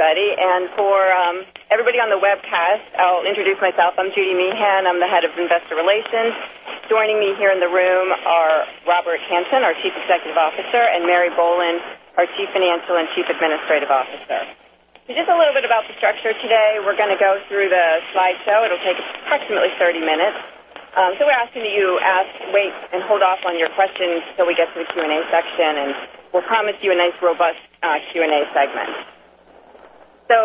Everybody. For everybody on the webcast, I'll introduce myself. I'm Judy Meehan. I'm the Head of Investor Relations. Joining me here in the room are Robert Hanson, our Chief Executive Officer, and Mike Mathias, our Chief Financial and Chief Administrative Officer. Just a little bit about the structure today. We're going to go through the slideshow. It'll take approximately 30 minutes. We're asking you to wait and hold off on your questions till we get to the Q&A section, and we'll promise you a nice, robust Q&A segment.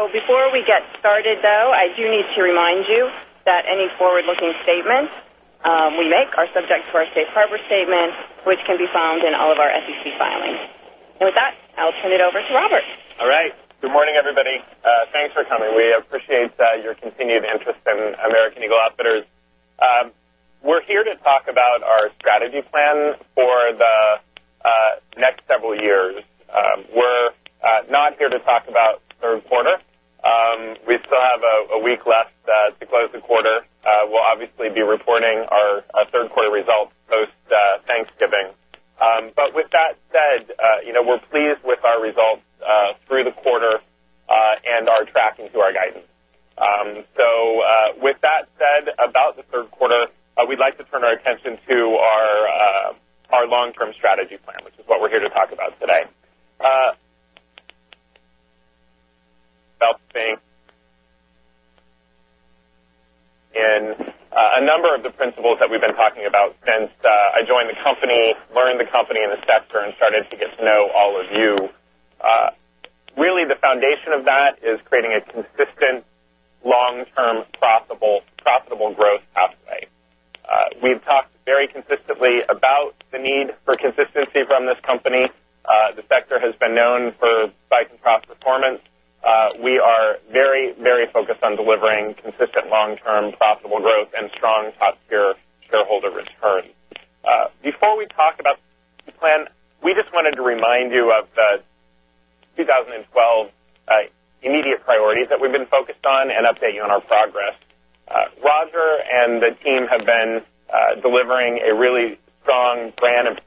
Before we get started, though, I do need to remind you that any forward-looking statements we make are subject to our safe harbor statement, which can be found in all of our SEC filings. With that, I'll turn it over to Robert. All right. Good morning, everybody. Thanks for coming. We appreciate your continued interest in American Eagle Outfitters. We're here to talk about our strategy plan for the next several years. We're not here to talk about third quarter. We still have a week left to close the quarter. We'll obviously be reporting our third quarter results post Thanksgiving. With that said, we're pleased with our results through the quarter and are tracking to our guidance. With that said about the third quarter, we'd like to turn our attention to our long-term strategy plan, which is what we're here to talk about today. A number of the principles that we've been talking about since I joined the company, learned the company and the sector, and started to get to know all of you. Really, the foundation of that is creating a consistent, long-term, profitable growth pathway. We've talked very consistently about the need for consistency from this company. The sector has been known for spike and trough performance. We are very focused on delivering consistent long-term profitable growth and strong top-tier shareholder returns. Before we talk about the plan, we just wanted to remind you of the 2012 immediate priorities that we've been focused on and update you on our progress. Roger and the team have been delivering a really strong brand of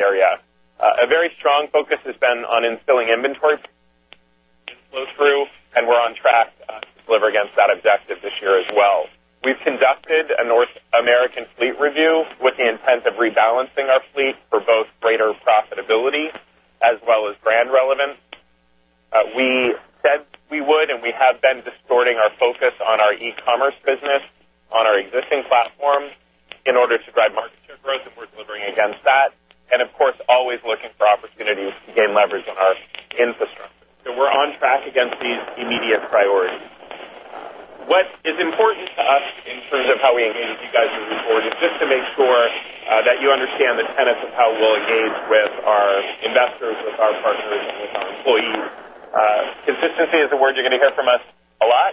Aerie. A very strong focus has been on instilling inventory flow through, and we're on track to deliver against that objective this year as well. We've conducted a North American fleet review with the intent of rebalancing our fleet for both greater profitability as well as brand relevance. We said we would, we have been distorting our focus on our e-commerce business, on our existing platforms in order to drive market share growth, and we're delivering against that. Of course, always looking for opportunities to gain leverage on our infrastructure. We're on track against these immediate priorities. What is important to us in terms of how we engage you guys moving forward is just to make sure that you understand the tenets of how we'll engage with our investors, with our partners, and with our employees. Consistency is a word you're going to hear from us a lot.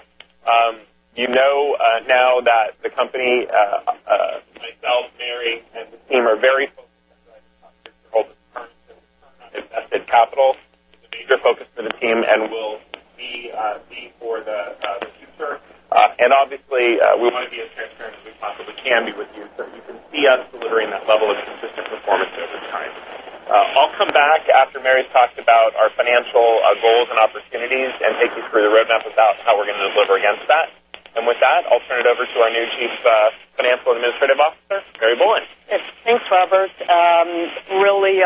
You know now that the company, myself, Mike, and the team are very focused on shareholder returns on invested capital. It's a major focus for the team and will be for the future. Obviously, we want to be as transparent as we possibly can be with you so that you can see us delivering that level of consistent performance over time. I'll come back after Mike's talked about our financial goals and opportunities and take you through the roadmap with how we're going to deliver against that. With that, I'll turn it over to our new Chief Financial and Administrative Officer,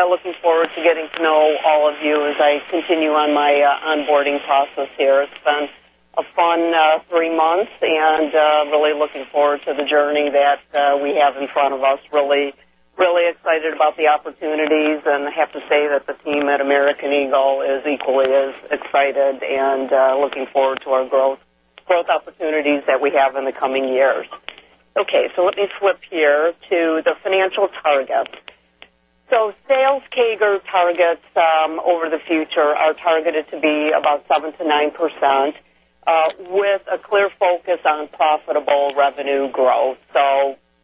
Mike Mathias. Thanks, Robert. Really looking forward to getting to know all of you as I continue on my onboarding process here. It's been a fun three months and really looking forward to the journey that we have in front of us. Really excited about the opportunities, and I have to say that the team at American Eagle is equally as excited and looking forward to our growth opportunities that we have in the coming years. Let me flip here to the financial targets. Sales CAGR targets over the future are targeted to be about 7%-9%, with a clear focus on profitable revenue growth.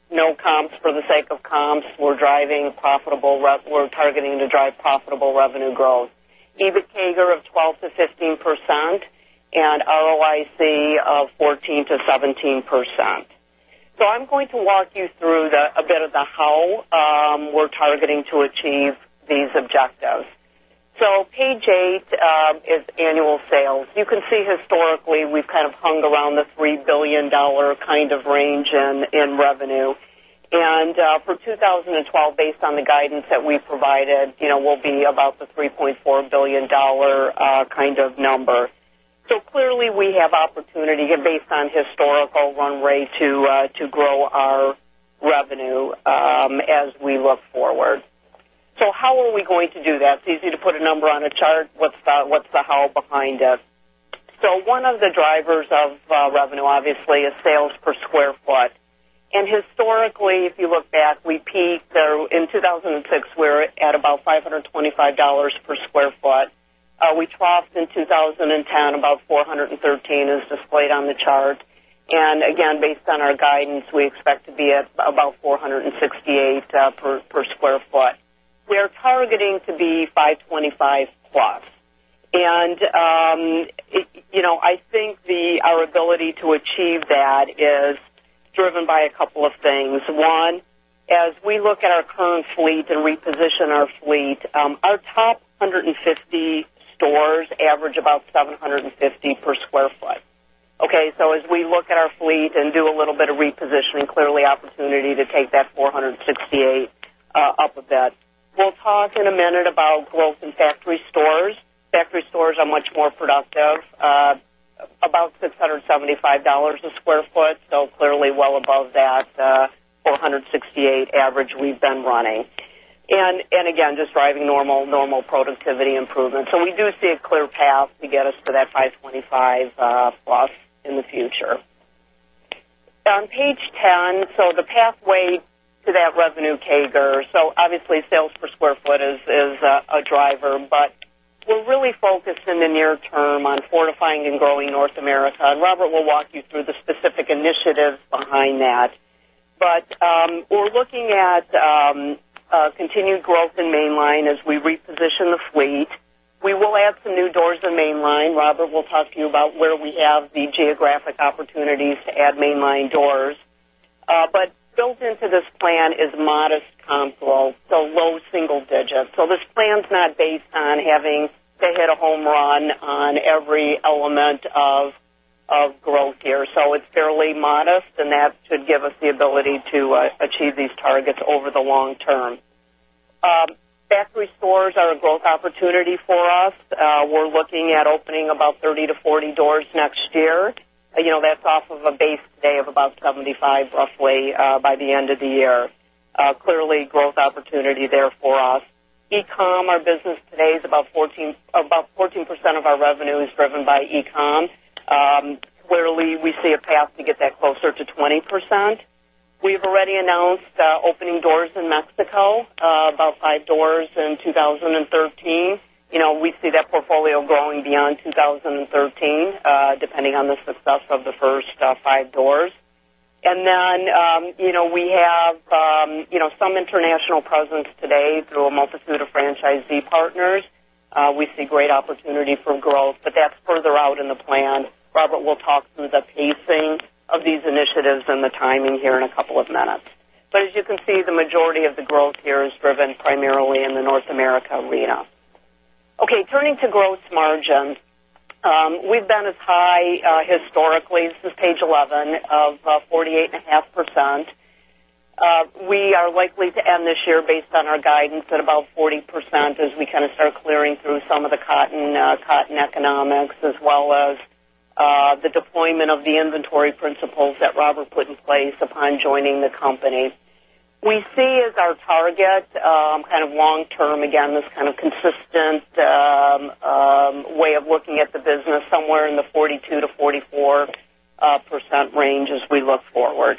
No comps for the sake of comps. We're targeting to drive profitable revenue growth. EBIT CAGR of 12%-15%, and ROIC of 14%-17%. I'm going to walk you through a bit of the how we're targeting to achieve these objectives. Page eight is annual sales. You can see historically, we've kind of hung around the $3 billion kind of range in revenue. For 2012, based on the guidance that we provided, we'll be about the $3.4 billion kind of number. Clearly, we have opportunity based on historical runway to grow our revenue as we look forward. How are we going to do that? It's easy to put a number on a chart. What's the how behind it? One of the drivers of revenue, obviously, is sales per square foot. Historically, if you look back, we peaked through in 2006. We were at about $525 per square foot. We troughed in 2010, about $413 as displayed on the chart. Again, based on our guidance, we expect to be at about $468 per square foot. We are targeting to be $525 plus. I think our ability to achieve that is driven by a couple of things. One, as we look at our current fleet and reposition our fleet, our top 150 stores average about $750 per square foot. As we look at our fleet and do a little bit of repositioning, clearly opportunity to take that $468 up a bit. We'll talk in a minute about growth in factory stores. Factory stores are much more productive, about $675 a square foot. Clearly well above that $468 average we've been running. Again, just driving normal productivity improvement. We do see a clear path to get us to that $525 plus in the future. On page 10, the pathway to that revenue CAGR. Obviously sales per square foot is a driver, we're really focused in the near term on fortifying and growing North America, Robert will walk you through the specific initiatives behind that. We're looking at continued growth in mainline as we reposition the fleet. We will add some new doors in mainline. Robert will talk to you about where we have the geographic opportunities to add mainline doors. Built into this plan is modest comp flow, low single digits. This plan's not based on having to hit a home run on every element of growth here. It's fairly modest, that should give us the ability to achieve these targets over the long term. Factory stores are a growth opportunity for us. We're looking at opening about 30 to 40 doors next year. That's off of a base today of about 75, roughly, by the end of the year. Clearly growth opportunity there for us. E-com, our business today is about 14% of our revenue is driven by e-com. Clearly, we see a path to get that closer to 20%. We've already announced opening doors in Mexico, about five doors in 2013. We see that portfolio growing beyond 2013, depending on the success of the first five doors. We have some international presence today through a multitude of franchisee partners. We see great opportunity for growth, that's further out in the plan. Robert will talk through the pacing of these initiatives and the timing here in a couple of minutes. As you can see, the majority of the growth here is driven primarily in the North America arena. Okay, turning to gross margin. We've been as high historically, this is page 11, of 48.5%. We are likely to end this year based on our guidance at about 40% as we start clearing through some of the cotton economics as well as the deployment of the inventory principles that Robert put in place upon joining the company. We see as our target long term, again, this kind of consistent way of looking at the business somewhere in the 42%-44% range as we look forward.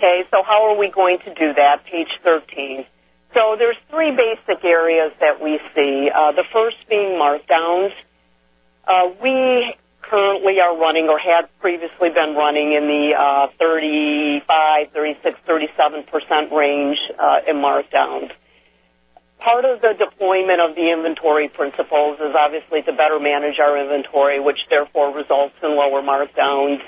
Okay. How are we going to do that? Page 13. There's three basic areas that we see. The first being markdowns. We currently are running or had previously been running in the 35%, 36%, 37% range in markdowns. Part of the deployment of the inventory principles is obviously to better manage our inventory, which therefore results in lower markdowns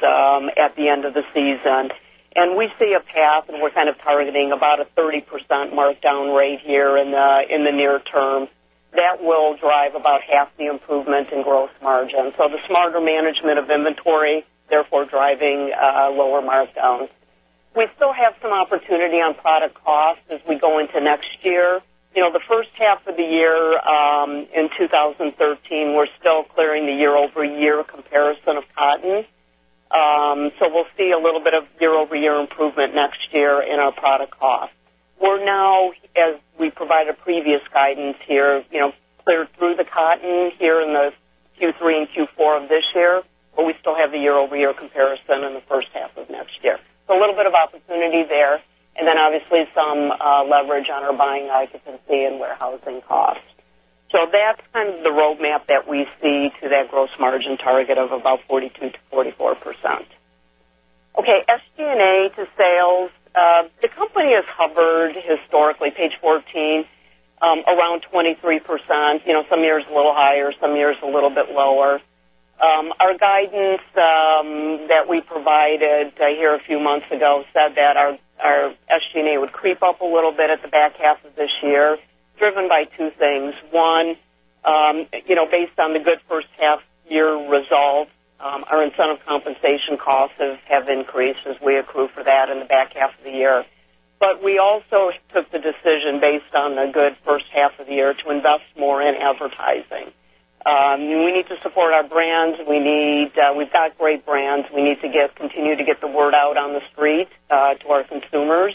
at the end of the season. We see a path, we're kind of targeting about a 30% markdown rate here in the near term. That will drive about half the improvement in gross margin. The smarter management of inventory, therefore driving lower markdowns. We still have some opportunity on product costs as we go into next year. The first half of the year in 2013, we're still clearing the year-over-year comparison of cotton. We'll see a little bit of year-over-year improvement next year in our product costs. We're now, as we provided previous guidance here, cleared through the cotton here in the Q3 and Q4 of this year, but we still have the year-over-year comparison in the first half of next year. A little bit of opportunity there, obviously some leverage on our buying efficiency and warehousing costs. That's kind of the roadmap that we see to that gross margin target of about 42%-44%. SG&A to sales. The company has hovered historically, page 14, around 23%, some years a little higher, some years a little bit lower. Our guidance that we provided here a few months ago said that our SG&A would creep up a little bit at the back half of this year, driven by two things. One, based on the good first half year results, our incentive compensation costs have increased as we accrue for that in the back half of the year. We also took the decision based on the good first half of the year to invest more in advertising. We need to support our brands. We've got great brands. We need to continue to get the word out on the street to our consumers,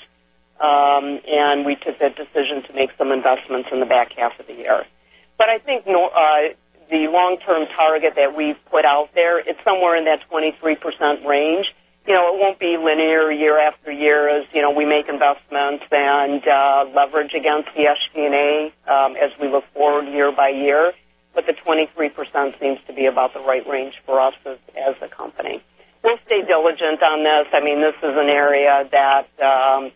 we took that decision to make some investments in the back half of the year. I think the long-term target that we've put out there, it's somewhere in that 23% range. It won't be linear year after year as we make investments and leverage against the SG&A as we look forward year by year. The 23% seems to be about the right range for us as a company. We'll stay diligent on this. This is an area that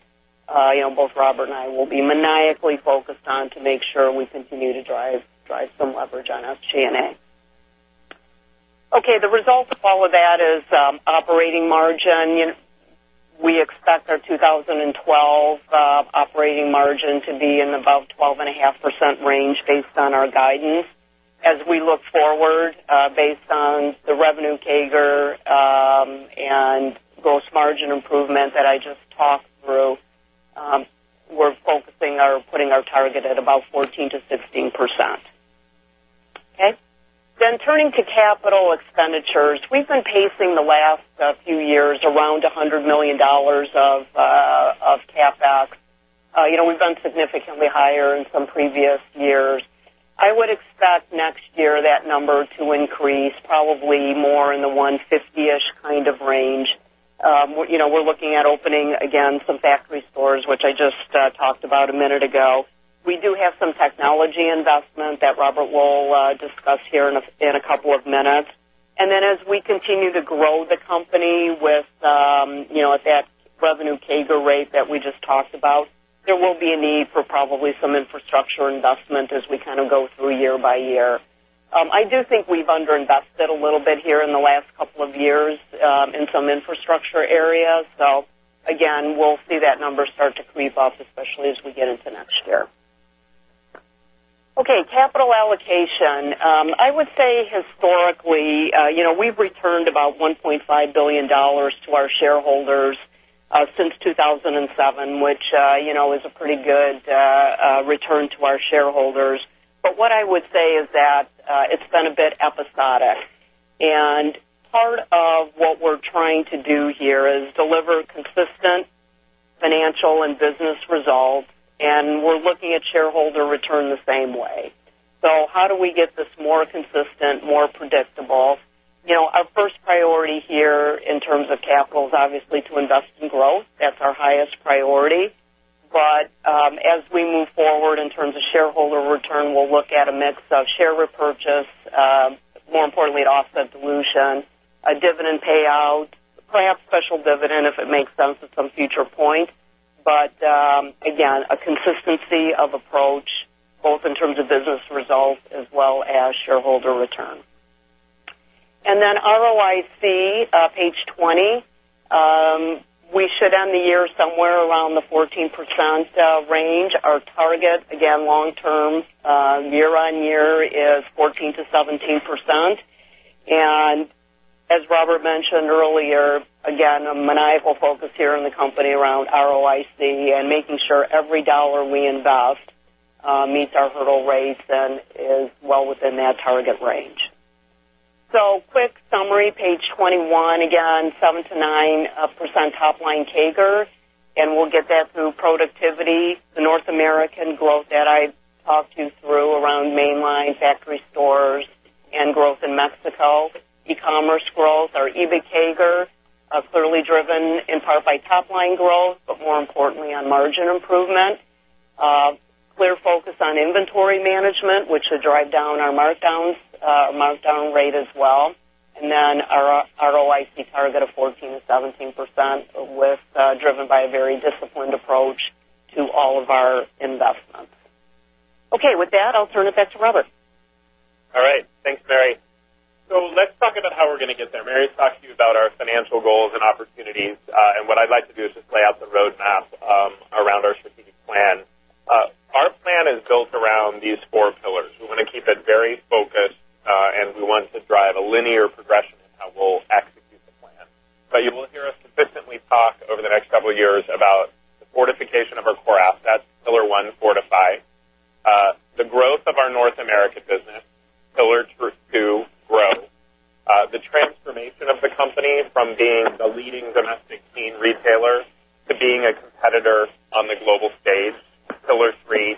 both Robert and I will be maniacally focused on to make sure we continue to drive some leverage on SG&A. The result of all of that is operating margin. We expect our 2012 operating margin to be in about 12.5% range based on our guidance. As we look forward, based on the revenue CAGR and gross margin improvement that I just talked through, we're putting our target at about 14%-16%. Turning to capital expenditures. We've been pacing the last few years around $100 million of CapEx. We've gone significantly higher in some previous years. I would expect next year that number to increase probably more in the 150-ish range. We're looking at opening, again, some factory stores, which I just talked about a minute ago. We do have some technology investment that Robert will discuss here in a couple of minutes. As we continue to grow the company with that revenue CAGR rate that we just talked about, there will be a need for probably some infrastructure investment as we go through year by year. I do think we've underinvested a little bit here in the last couple of years in some infrastructure areas. Again, we'll see that number start to creep up, especially as we get into next year. Capital allocation. I would say historically, we've returned about $1.5 billion to our shareholders since 2007, which is a pretty good return to our shareholders. What I would say is that it's been a bit episodic, part of what we're trying to do here is deliver consistent financial and business results, we're looking at shareholder return the same way. How do we get this more consistent, more predictable? Our first priority here in terms of capital is obviously to invest in growth. That's our highest priority. As we move forward in terms of shareholder return, we'll look at a mix of share repurchase, more importantly, an offset dilution, a dividend payout, perhaps special dividend, if it makes sense at some future point. Again, a consistency of approach, both in terms of business results as well as shareholder return. Then ROIC, page twenty. We should end the year somewhere around the 14% range. Our target, again, long term, year-on-year is 14%-17%. As Robert mentioned earlier, again, a maniacal focus here on the company around ROIC and making sure every dollar we invest meets our hurdle rates and is well within that target range. Quick summary, page twenty-one. Again, 7%-9% top-line CAGR, and we'll get that through productivity. The North American growth that I talked you through around mainline factory stores and growth in Mexico. e-commerce growth, our EBIT CAGR, clearly driven in part by top-line growth, but more importantly on margin improvement. Clear focus on inventory management, which should drive down our markdown rate as well. Then our ROIC target of 14%-17%, with driven by a very disciplined approach to all of our investments. Okay. With that, I'll turn it back to Robert. All right. Thanks, Mathias. Let's talk about how we're going to get there. Mathias's talked to you about our financial goals and opportunities. What I'd like to do is just lay out the roadmap around our strategic plan. Our plan is built around these four pillars. We want to keep it very focused, and we want to drive a linear progression in how we'll execute the plan. You will hear us consistently talk over the next couple of years about the fortification of our core assets, pillar 1, fortify. The growth of our North America business, pillar 2, grow. The transformation of the company from being the leading domestic teen retailer to being a competitor on the global stage, pillar 3,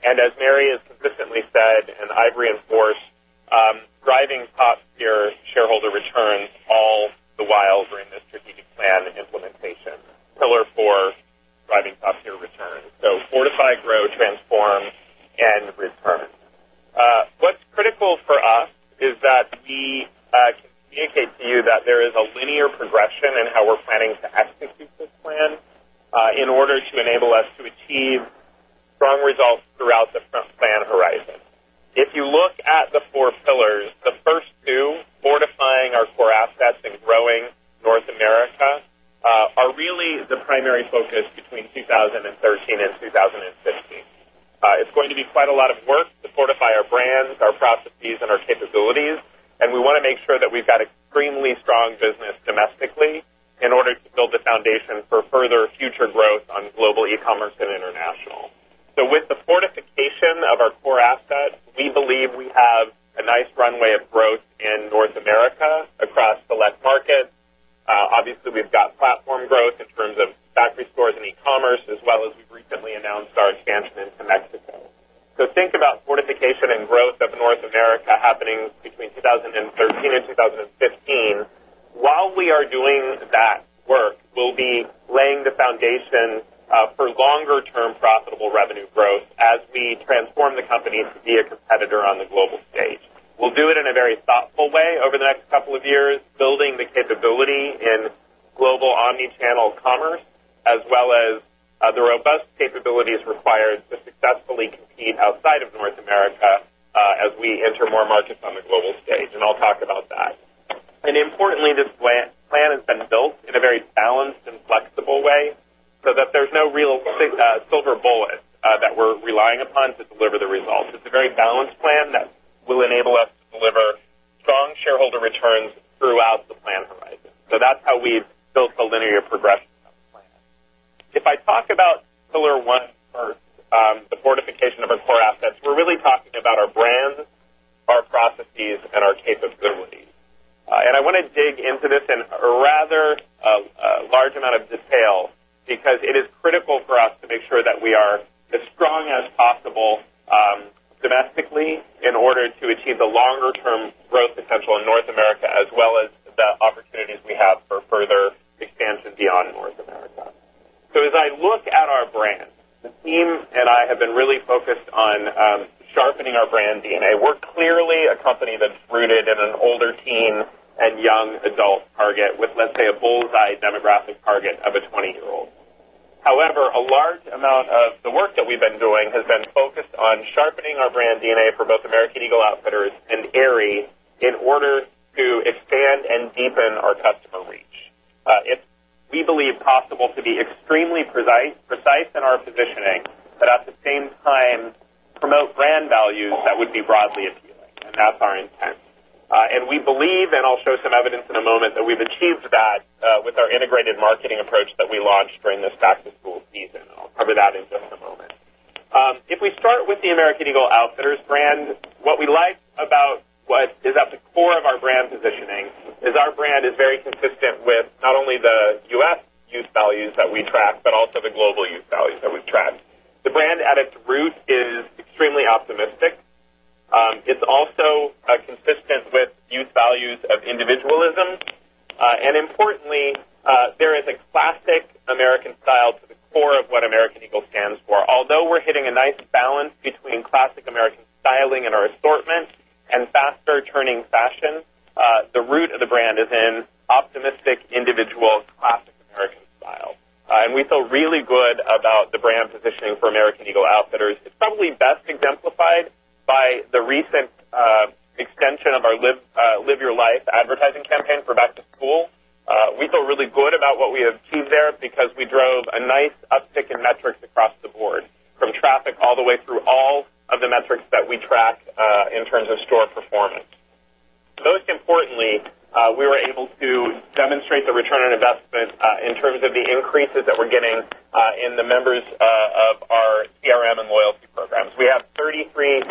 transform. As Mathias has consistently said, and I've reinforced, driving top-tier shareholder returns all the while during this strategic plan implementation. Pillar 4, driving top-tier returns. Fortify, grow, transform, and return. What's critical for us is that we can communicate to you that there is a linear progression in how we're planning to execute this plan, in order to enable us to achieve strong results throughout the front plan horizon. If you look at the four pillars, the first two, fortifying our core assets and growing North America, are really the primary focus between 2013 and 2015. It's going to be quite a lot of work to fortify our brands, our processes, and our capabilities, and we want to make sure that we've got extremely strong business domestically in order to build the foundation for further future growth on global e-commerce and international. With the fortification of our core assets, we believe we have a nice runway of growth in North America across select markets. We've got platform growth in terms of factory stores and e-commerce as well as we've recently announced our expansion into Mexico. Think about fortification and growth of North America happening between 2013 and 2015. While we are doing that work, we'll be laying the foundation for longer term profitable revenue growth as we transform the company to be a competitor on the global stage. We'll do it in a very thoughtful way over the next couple of years, building the capability in global omni-channel commerce, as well as the robust capabilities required to successfully compete outside of North America as we enter more markets on the global stage, and I'll talk about that. Importantly, this plan has been built in a very balanced and flexible way so that there's no real silver bullet that we're relying upon to deliver the results. It's a very balanced plan that will enable us to deliver strong shareholder returns throughout the plan horizon. That's how we've built a linear progression of the plan. If I talk about pillar one first, the fortification of our core assets, we're really talking about our brands, our processes, and our capabilities. I want to dig into this in a rather large amount of detail because it is critical for us to make sure that we are as strong as possible domestically in order to achieve the longer-term growth potential in North America, as well as the opportunities we have for further expansion beyond North America. As I look at our brands, the team and I have been really focused on sharpening our brand DNA. We're clearly a company that's rooted in an older teen and young adult target with, let's say, a bull's eye demographic target of a 20-year-old. However, a large amount of the work that we've been doing has been focused on sharpening our brand DNA for both American Eagle Outfitters and Aerie in order to expand and deepen our customer reach. It's, we believe, possible to be extremely precise in our positioning, but at the same time, promote brand values that would be broadly appealing, and that's our intent. We believe, and I'll show some evidence in a moment, that we've achieved that with our integrated marketing approach that we launched during this back-to-school season. I'll cover that in just a moment. If we start with the American Eagle Outfitters brand, what we like about what is at the core of our brand positioning is our brand is very consistent with not only the U.S. youth values that we track, but also the global youth values that we've tracked. The brand at its root is extremely optimistic. It's also consistent with youth values of individualism. Importantly, there is a classic American style to the core of what American Eagle stands for. Although we're hitting a nice balance between classic American styling in our assortment and faster-turning fashion, the root of the brand is in optimistic individual classic American style. We feel really good about the brand positioning for American Eagle Outfitters. It's probably best exemplified by the recent extension of our Live Your Life advertising campaign for back to school. We feel really good about what we achieved there because we drove a nice uptick in metrics across the board, from traffic all the way through all of the metrics that we tracked in terms of store performance. Most importantly, we were able to demonstrate the return on investment in terms of the increases that we're getting in the members of our CRM and loyalty programs. We have 33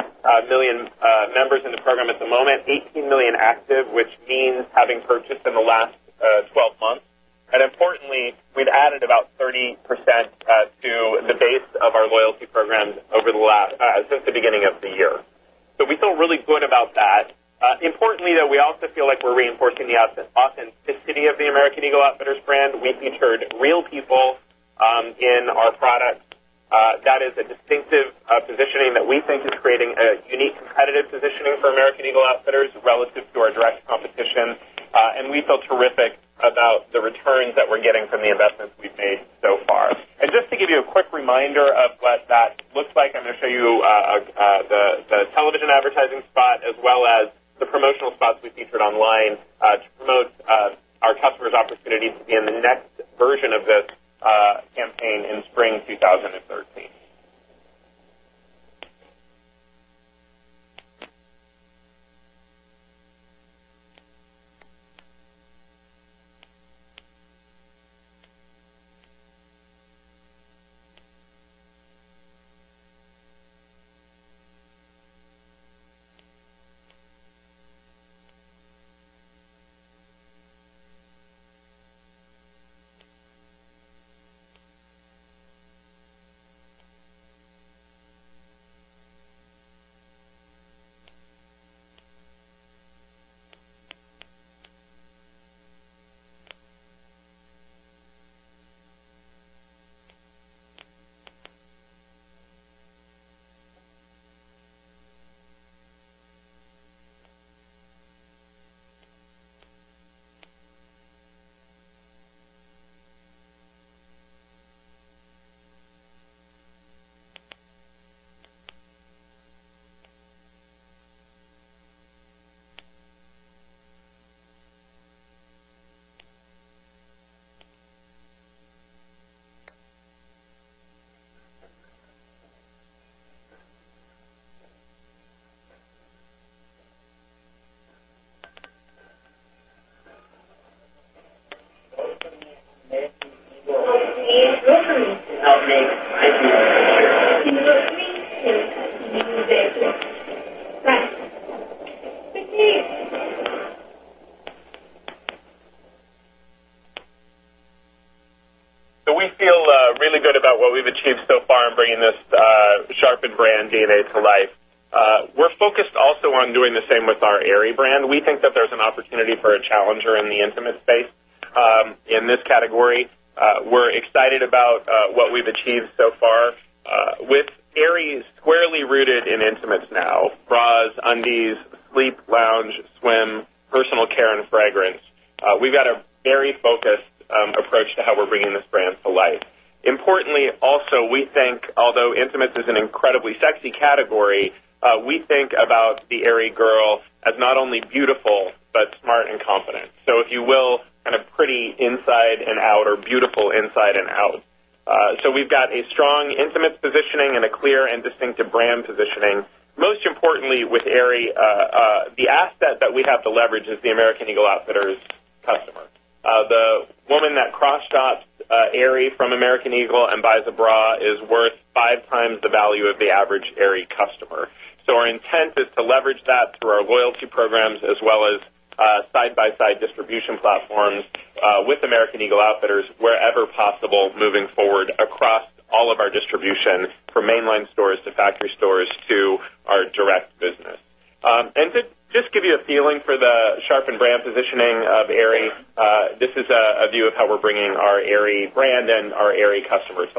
million members in the program at the moment, 18 million active, which means having purchased in the last 12 months. Importantly, we've added about 30% to the base of our loyalty programs since the beginning of the year. We feel really good about that. Importantly, though, we also feel like we're reinforcing the authenticity of the American Eagle Outfitters brand. We featured real people in our products. That is a distinctive positioning that we think is creating a unique competitive positioning for American Eagle Outfitters relative to our direct competition. We feel terrific about the returns that we're getting from the investments we've made so far. Just to give you a quick reminder of what that looks like, I'm going to show you the television advertising spot as well as the promotional spots we featured online to promote our customers' opportunities to be in the next version of this campaign in spring 2013. We feel really good about what we've achieved so far in bringing this sharpened brand DNA to life. We're focused also on doing the same with our Aerie brand. We think that there's an opportunity for a challenger in the intimate space in this category. We're excited about what we've achieved so far. With Aerie squarely rooted in intimates now: bras, undies, sleep, lounge, swim, personal care, and fragrance. We've got a very focused approach to how we're bringing this brand to life. Importantly, also, we think although intimates is an incredibly sexy category, we think about the Aerie girl as not only beautiful but smart and confident. If you will, pretty inside and out or beautiful inside and out. We've got a strong intimate positioning and a clear and distinctive brand positioning. Most importantly, with Aerie, the asset that we have to leverage is the American Eagle Outfitters customer. The woman that cross-shops Aerie from American Eagle and buys a bra is worth five times the value of the average Aerie customer. Our intent is to leverage that through our loyalty programs as well as side-by-side distribution platforms, with American Eagle Outfitters wherever possible moving forward across all of our distribution, from mainline stores to factory stores to our direct business. Just to give you a feeling for the sharpened brand positioning of Aerie, this is a view of how we're bringing our Aerie brand and our Aerie customers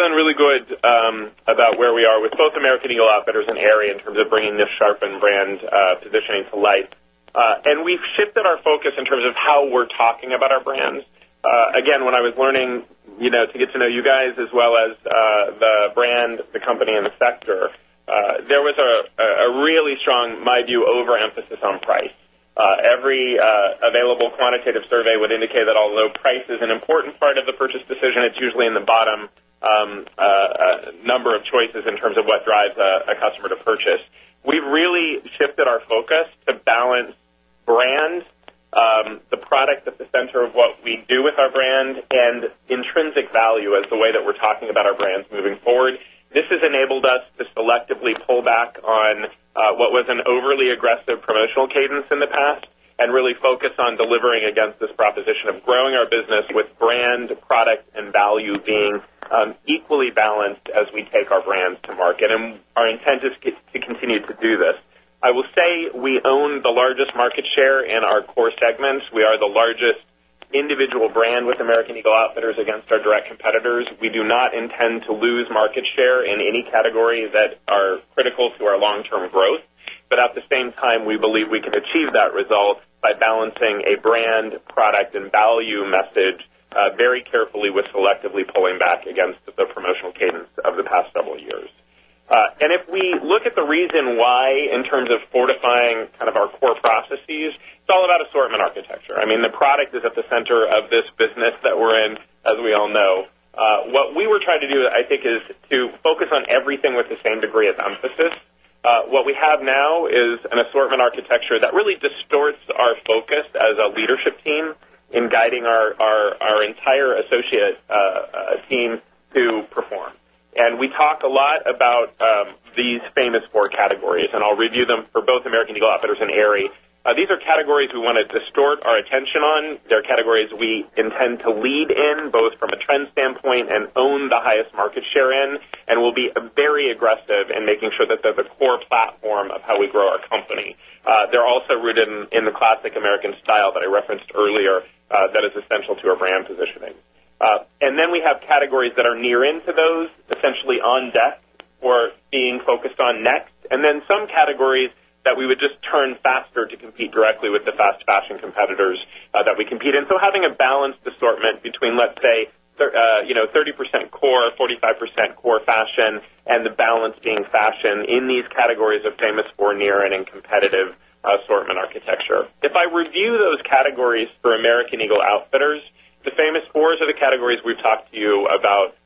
to life. We're feeling really good about where we are with both American Eagle Outfitters and Aerie in terms of bringing this sharpened brand positioning to life. We've shifted our focus in terms of how we're talking about our brands. Again, when I was learning to get to know you guys as well as the brand, the company, and the sector, there was a really strong, in my view, overemphasis on price. Every available quantitative survey would indicate that although price is an important part of the purchase decision, it's usually in the bottom number of choices in terms of what drives a customer to purchase. We've really shifted our focus to balance brand, the product at the center of what we do with our brand, and intrinsic value as the way that we're talking about our brands moving forward. This has enabled us to selectively pull back on what was an overly aggressive promotional cadence in the past and really focus on delivering against this proposition of growing our business with brand, product, and value being equally balanced as we take our brands to market. Our intent is to continue to do this. I will say we own the largest market share in our core segments. We are the largest individual brand with American Eagle Outfitters against our direct competitors. We do not intend to lose market share in any categories that are critical to our long-term growth. At the same time, we believe we can achieve that result by balancing a brand, product, and value message very carefully with selectively pulling back against the promotional cadence of the past several years. If we look at the reason why in terms of fortifying our core processes, it's all about assortment architecture. The product is at the center of this business that we're in, as we all know. What we were trying to do, I think, is to focus on everything with the same degree of emphasis. What we have now is an assortment architecture that really distorts our focus as a leadership team in guiding our entire associate team to perform. We talk a lot about these famous four categories, and I'll review them for both American Eagle Outfitters and Aerie. These are categories we want to distort our attention on. They're categories we intend to lead in, both from a trend standpoint and own the highest market share in, and we'll be very aggressive in making sure that they're the core platform of how we grow our company. They're also rooted in the classic American style that I referenced earlier that is essential to our brand positioning. We have categories that are near into those, essentially on deck or being focused on next. Some categories that we would just turn faster to compete directly with the fast fashion competitors that we compete in. Having a balanced assortment between, let's say, 30% core, 45% core fashion, and the balance being fashion in these categories of famous four near and in competitive assortment architecture. If I review those categories for American Eagle Outfitters, the famous fours are the categories we've talked to you about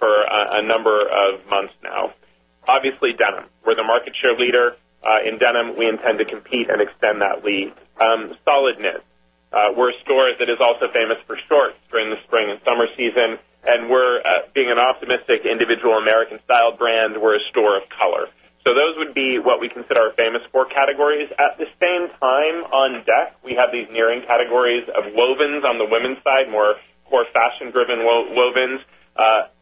for a number of months now. Obviously, denim. We're the market share leader in denim. We intend to compete and extend that lead. Solid knit. We're a store that is also famous for shorts during the spring and summer season, and we're being an optimistic individual American-style brand. We're a store of color. Those would be what we consider our famous four categories. At the same time, on deck, we have these nearing categories of wovens on the women's side, more core fashion-driven wovens,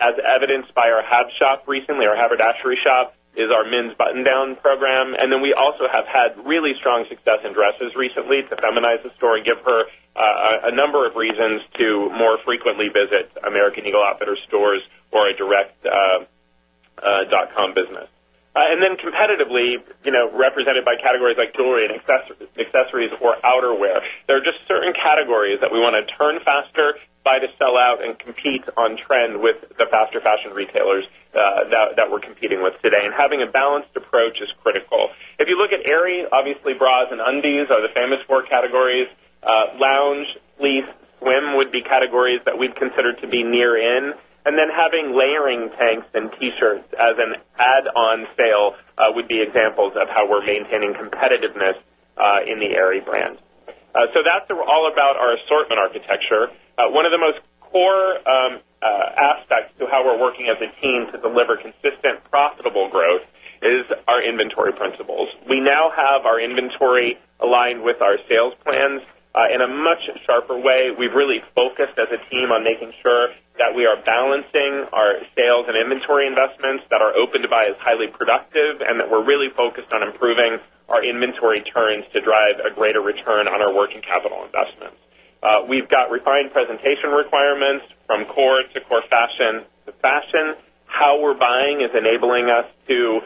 as evidenced by our HAB shop recently. Our haberdashery shop is our men's button-down program. We also have had really strong success in dresses recently to feminize the store and give her a number of reasons to more frequently visit American Eagle Outfitters stores or a direct dotcom business. Competitively, represented by categories like jewelry and accessories or outerwear, there are just certain categories that we want to turn faster, buy to sell out, and compete on trend with the faster fashion retailers that we're competing with today. Having a balanced approach is critical. If you look at Aerie, obviously bras and undies are the famous four categories. Lounge, fleece would be categories that we'd consider to be near in, and then having layering tanks and T-shirts as an add-on sale would be examples of how we're maintaining competitiveness in the Aerie brand. That's all about our assortment architecture. One of the most core aspects to how we're working as a team to deliver consistent, profitable growth is our inventory principles. We now have our inventory aligned with our sales plans in a much sharper way. We've really focused as a team on making sure that we are balancing our sales and inventory investments that are open to buy as highly productive, and that we're really focused on improving our inventory turns to drive a greater return on our working capital investments. We've got refined presentation requirements from core to core fashion to fashion. How we're buying is enabling us to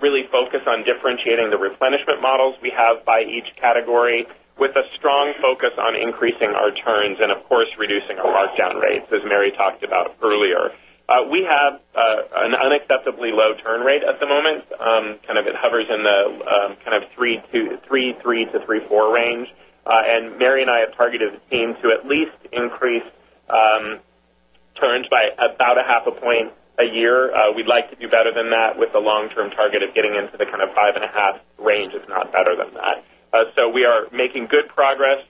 really focus on differentiating the replenishment models we have by each category, with a strong focus on increasing our turns and, of course, reducing our markdown rates, as Mike talked about earlier. We have an unacceptably low turn rate at the moment. It hovers in the three to three-four range. Mike and I have targeted the team to at least increase turns by about a half a point a year. We'd like to do better than that with the long-term target of getting into the kind of five and a half range, if not better than that. We are making good progress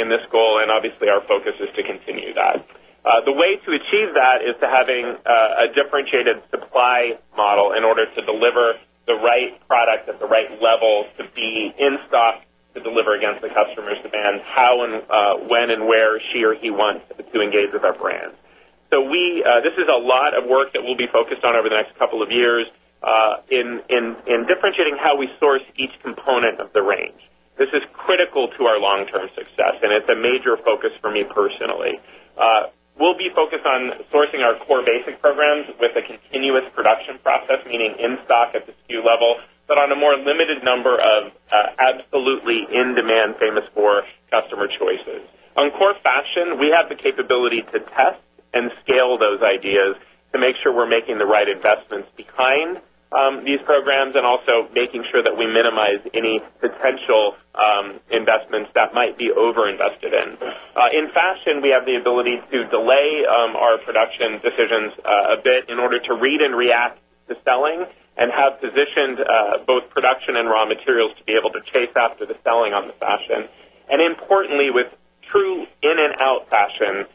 in this goal, and obviously, our focus is to continue that. The way to achieve that is to having a differentiated supply model in order to deliver the right product at the right level, to be in stock, to deliver against the customer's demands, how and when and where she or he wants to engage with our brand. This is a lot of work that we'll be focused on over the next couple of years in differentiating how we source each component of the range. This is critical to our long-term success, and it's a major focus for me personally. We'll be focused on sourcing our core basic programs with a continuous production process, meaning in stock at the SKU level, but on a more limited number of absolutely in-demand, famous for customer choices. On core fashion, we have the capability to test and scale those ideas to make sure we're making the right investments behind these programs and also making sure that we minimize any potential investments that might be overinvested in. In fashion, we have the ability to delay our production decisions a bit in order to read and react to selling and have positioned both production and raw materials to be able to chase after the selling on the fashion. Importantly, with true in and out fashion,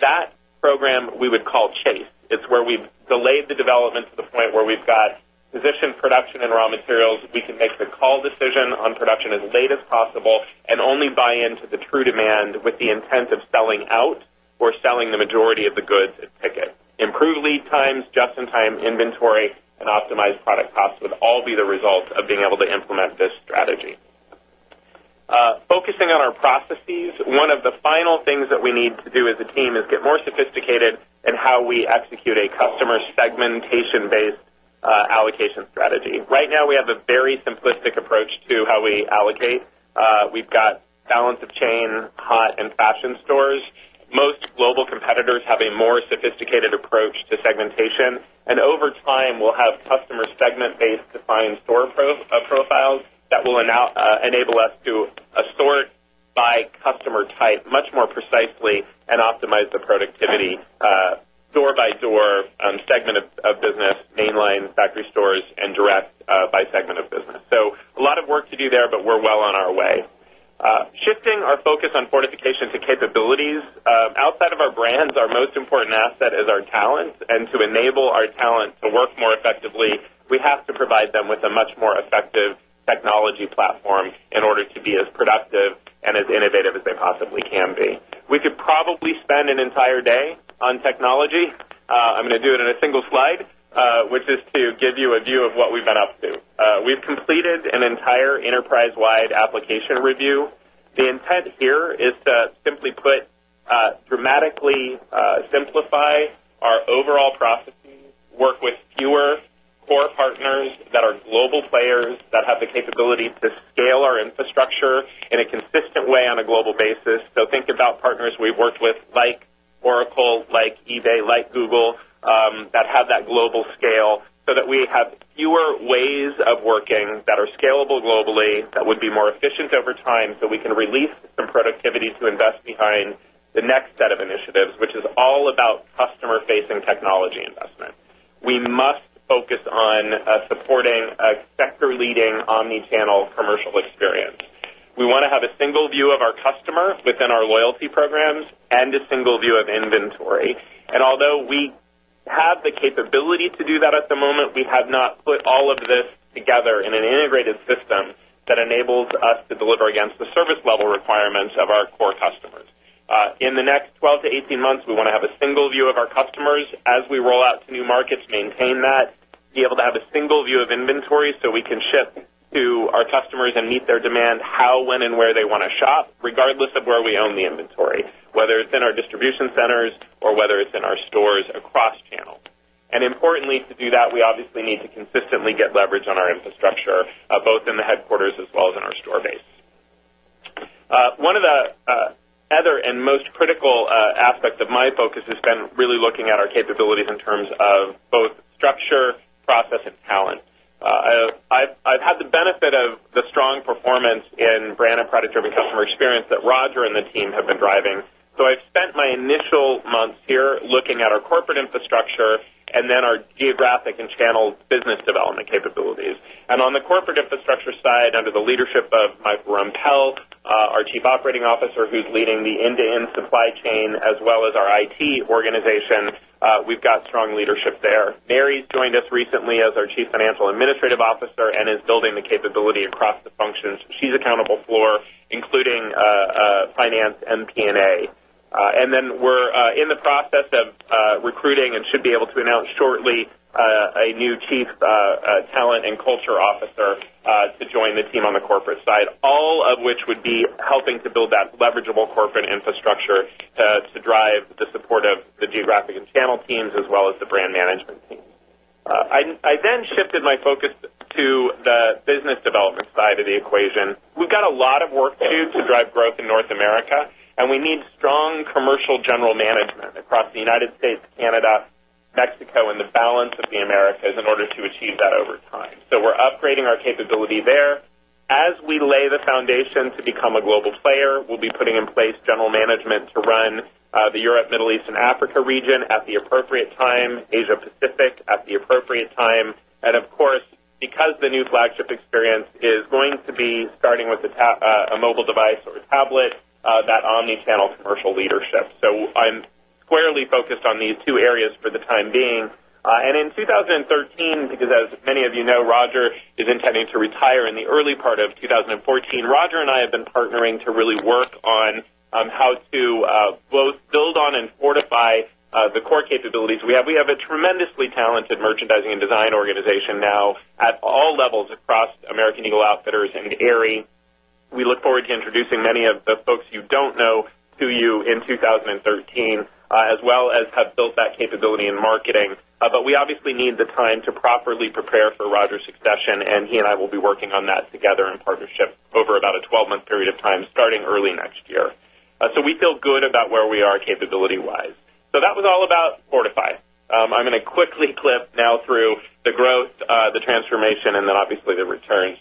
that program we would call Chase. It's where we've delayed the development to the point where we've got positioned production and raw materials. We can make the call decision on production as late as possible and only buy into the true demand with the intent of selling out or selling the majority of the goods at ticket. Improved lead times, just-in-time inventory, and optimized product costs would all be the result of being able to implement this strategy. Focusing on our processes, one of the final things that we need to do as a team is get more sophisticated in how we execute a customer segmentation-based allocation strategy. Right now, we have a very simplistic approach to how we allocate. We've got balance of chain, hot, and fashion stores. Most global competitors have a more sophisticated approach to segmentation. Over time, we'll have customer segment-based defined store profiles that will enable us to assort by customer type much more precisely and optimize the productivity door by door, segment of business, mainline factory stores, and direct by segment of business. A lot of work to do there, but we're well on our way. Shifting our focus on fortification to capabilities. Outside of our brands, our most important asset is our talent. To enable our talent to work more effectively, we have to provide them with a much more effective technology platform in order to be as productive and as innovative as they possibly can be. We could probably spend an entire day on technology. I'm going to do it in a single slide, which is to give you a view of what we've been up to. We've completed an entire enterprise-wide application review. The intent here is to, simply put, dramatically simplify our overall processes, work with fewer core partners that are global players that have the capability to scale our infrastructure in a consistent way on a global basis. Think about partners we've worked with, like Oracle, like eBay, like Google, that have that global scale so that we have fewer ways of working that are scalable globally, that would be more efficient over time, so we can release some productivity to invest behind the next set of initiatives, which is all about customer-facing technology investment. We must focus on supporting a sector-leading omni-channel commercial experience. We want to have a single view of our customer within our loyalty programs and a single view of inventory. Although we have the capability to do that at the moment, we have not put all of this together in an integrated system that enables us to deliver against the service level requirements of our core customers. In the next 12 to 18 months, we want to have a single view of our customers as we roll out to new markets, maintain that, be able to have a single view of inventory so we can ship to our customers and meet their demand how, when, and where they want to shop, regardless of where we own the inventory. Whether it's in our distribution centers or whether it's in our stores across channels. Importantly, to do that, we obviously need to consistently get leverage on our infrastructure, both in the headquarters as well as in our store base. One of the other and most critical aspects of my focus has been really looking at our capabilities in terms of both structure, process, and talent. The benefit of the strong performance in brand and product-driven customer experience that Roger and the team have been driving. I've spent my initial months here looking at our corporate infrastructure and then our geographic and channel business development capabilities. On the corporate infrastructure side, under the leadership of Michael Rempell, our Chief Operating Officer, who's leading the end-to-end supply chain as well as our IT organization, we've got strong leadership there. Mike's joined us recently as our Chief Financial Administrative Officer and is building the capability across the functions she's accountable for, including finance and FP&A. We're in the process of recruiting and should be able to announce shortly, a new chief talent and culture officer to join the team on the corporate side, all of which would be helping to build that leverageable corporate infrastructure, to drive the support of the geographic and channel teams, as well as the brand management team. I shifted my focus to the business development side of the equation. We've got a lot of work to do to drive growth in North America, and we need strong commercial general management across the U.S., Canada, Mexico, and the balance of the Americas in order to achieve that over time. We're upgrading our capability there. As we lay the foundation to become a global player, we'll be putting in place general management to run the Europe, Middle East, and Africa region at the appropriate time, Asia-Pacific at the appropriate time. Of course, because the new flagship experience is going to be starting with a mobile device or a tablet, that omni-channel commercial leadership. I'm squarely focused on these two areas for the time being. In 2013, because as many of you know, Roger is intending to retire in the early part of 2014. Roger and I have been partnering to really work on how to both build on and fortify the core capabilities we have. We have a tremendously talented merchandising and design organization now at all levels across American Eagle Outfitters and Aerie. We look forward to introducing many of the folks you don't know to you in 2013, as well as have built that capability in marketing. We obviously need the time to properly prepare for Roger's succession, and he and I will be working on that together in partnership over about a 12-month period of time starting early next year. We feel good about where we are capability-wise. That was all about Fortify. I'm going to quickly clip now through the growth, the transformation, and then obviously the returns.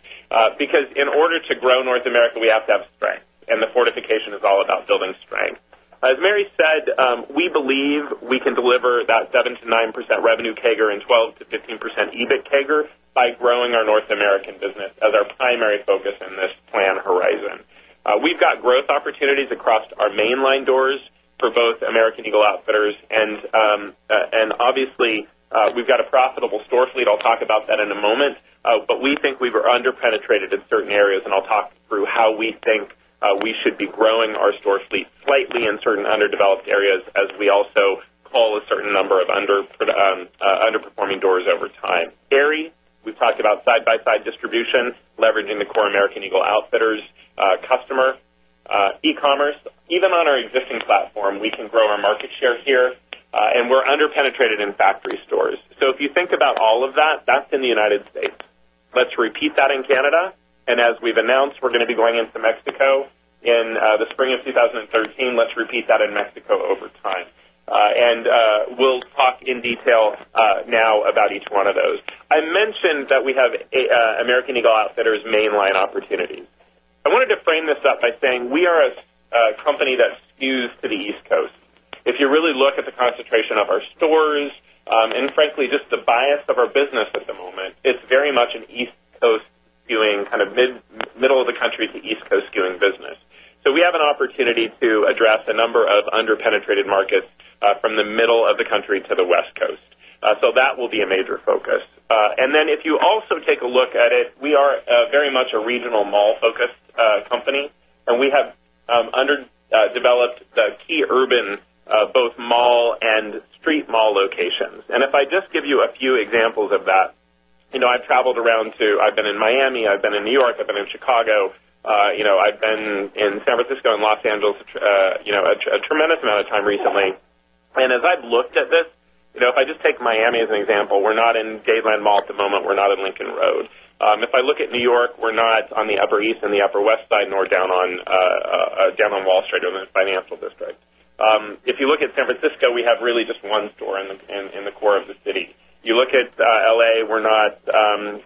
Because in order to grow in North America, we have to have strength, and the fortification is all about building strength. As Mike said, we believe we can deliver that 7%-9% revenue CAGR and 12%-15% EBIT CAGR by growing our North American business as our primary focus in this plan horizon. We've got growth opportunities across our mainline doors for both American Eagle Outfitters and, obviously, we've got a profitable store fleet. I'll talk about that in a moment. We think we were under-penetrated in certain areas, and I'll talk through how we think we should be growing our store fleet slightly in certain underdeveloped areas as we also call a certain number of underperforming doors over time. Aerie, we've talked about side-by-side distribution, leveraging the core American Eagle Outfitters customer. E-commerce. Even on our existing platform, we can grow our market share here. We're under-penetrated in factory stores. If you think about all of that's in the U.S. Let's repeat that in Canada. As we've announced, we're going to be going into Mexico in the spring of 2013. Let's repeat that in Mexico over time. We'll talk in detail now about each one of those. I mentioned that we have American Eagle Outfitters mainline opportunities. I wanted to frame this up by saying we are a company that skews to the East Coast. If you really look at the concentration of our stores, and frankly, just the bias of our business at the moment, it's very much an East Coast skewing, kind of middle of the country to East Coast skewing business. We have an opportunity to address a number of under-penetrated markets from the middle of the country to the West Coast. That will be a major focus. If you also take a look at it, we are very much a regional mall-focused company, and we have underdeveloped key urban, both mall and street mall locations. If I just give you a few examples of that. I've traveled around to I've been in Miami, I've been in New York, I've been in Chicago, I've been in San Francisco and L.A. a tremendous amount of time recently. As I've looked at this, if I just take Miami as an example, we're not in Dadeland Mall at the moment. We're not on Lincoln Road. If I look at New York, we're not on the Upper East and the Upper West Side, nor down on Wall Street or the Financial District. If you look at San Francisco, we have really just one store in the core of the city. You look at L.A., we're not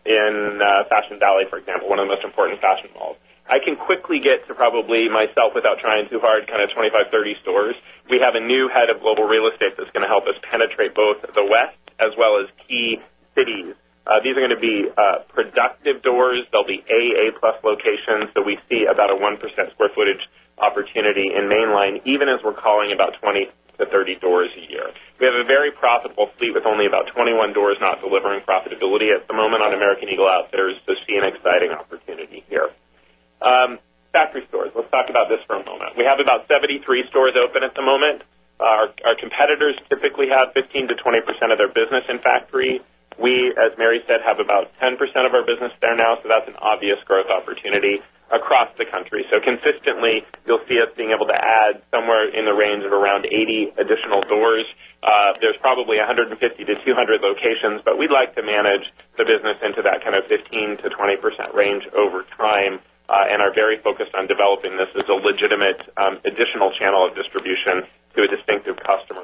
in Fashion Valley, for example, one of the most important fashion malls. I can quickly get to probably myself without trying too hard, kind of 25, 30 stores. We have a new head of global real estate that's going to help us penetrate both the West as well as key cities. These are going to be productive doors. They'll be AA plus locations. We see about a 1% square footage opportunity in mainline, even as we're calling about 20 to 30 doors a year. We have a very profitable fleet with only about 21 doors not delivering profitability at the moment on American Eagle Outfitters, so see an exciting opportunity here. Factory stores. Let's talk about this for a moment. We have about 73 stores open at the moment. Our competitors typically have 15%-20% of their business in factory. We, as Mary said, have about 10% of our business there now, so that's an obvious growth opportunity across the country. Consistently, you'll see us being able to add somewhere in the range of around 80 additional doors. There's probably 150-200 locations, but we'd like to manage the business into that kind of 15%-20% range over time, and are very focused on developing this as a legitimate additional channel of distribution to a distinctive customer.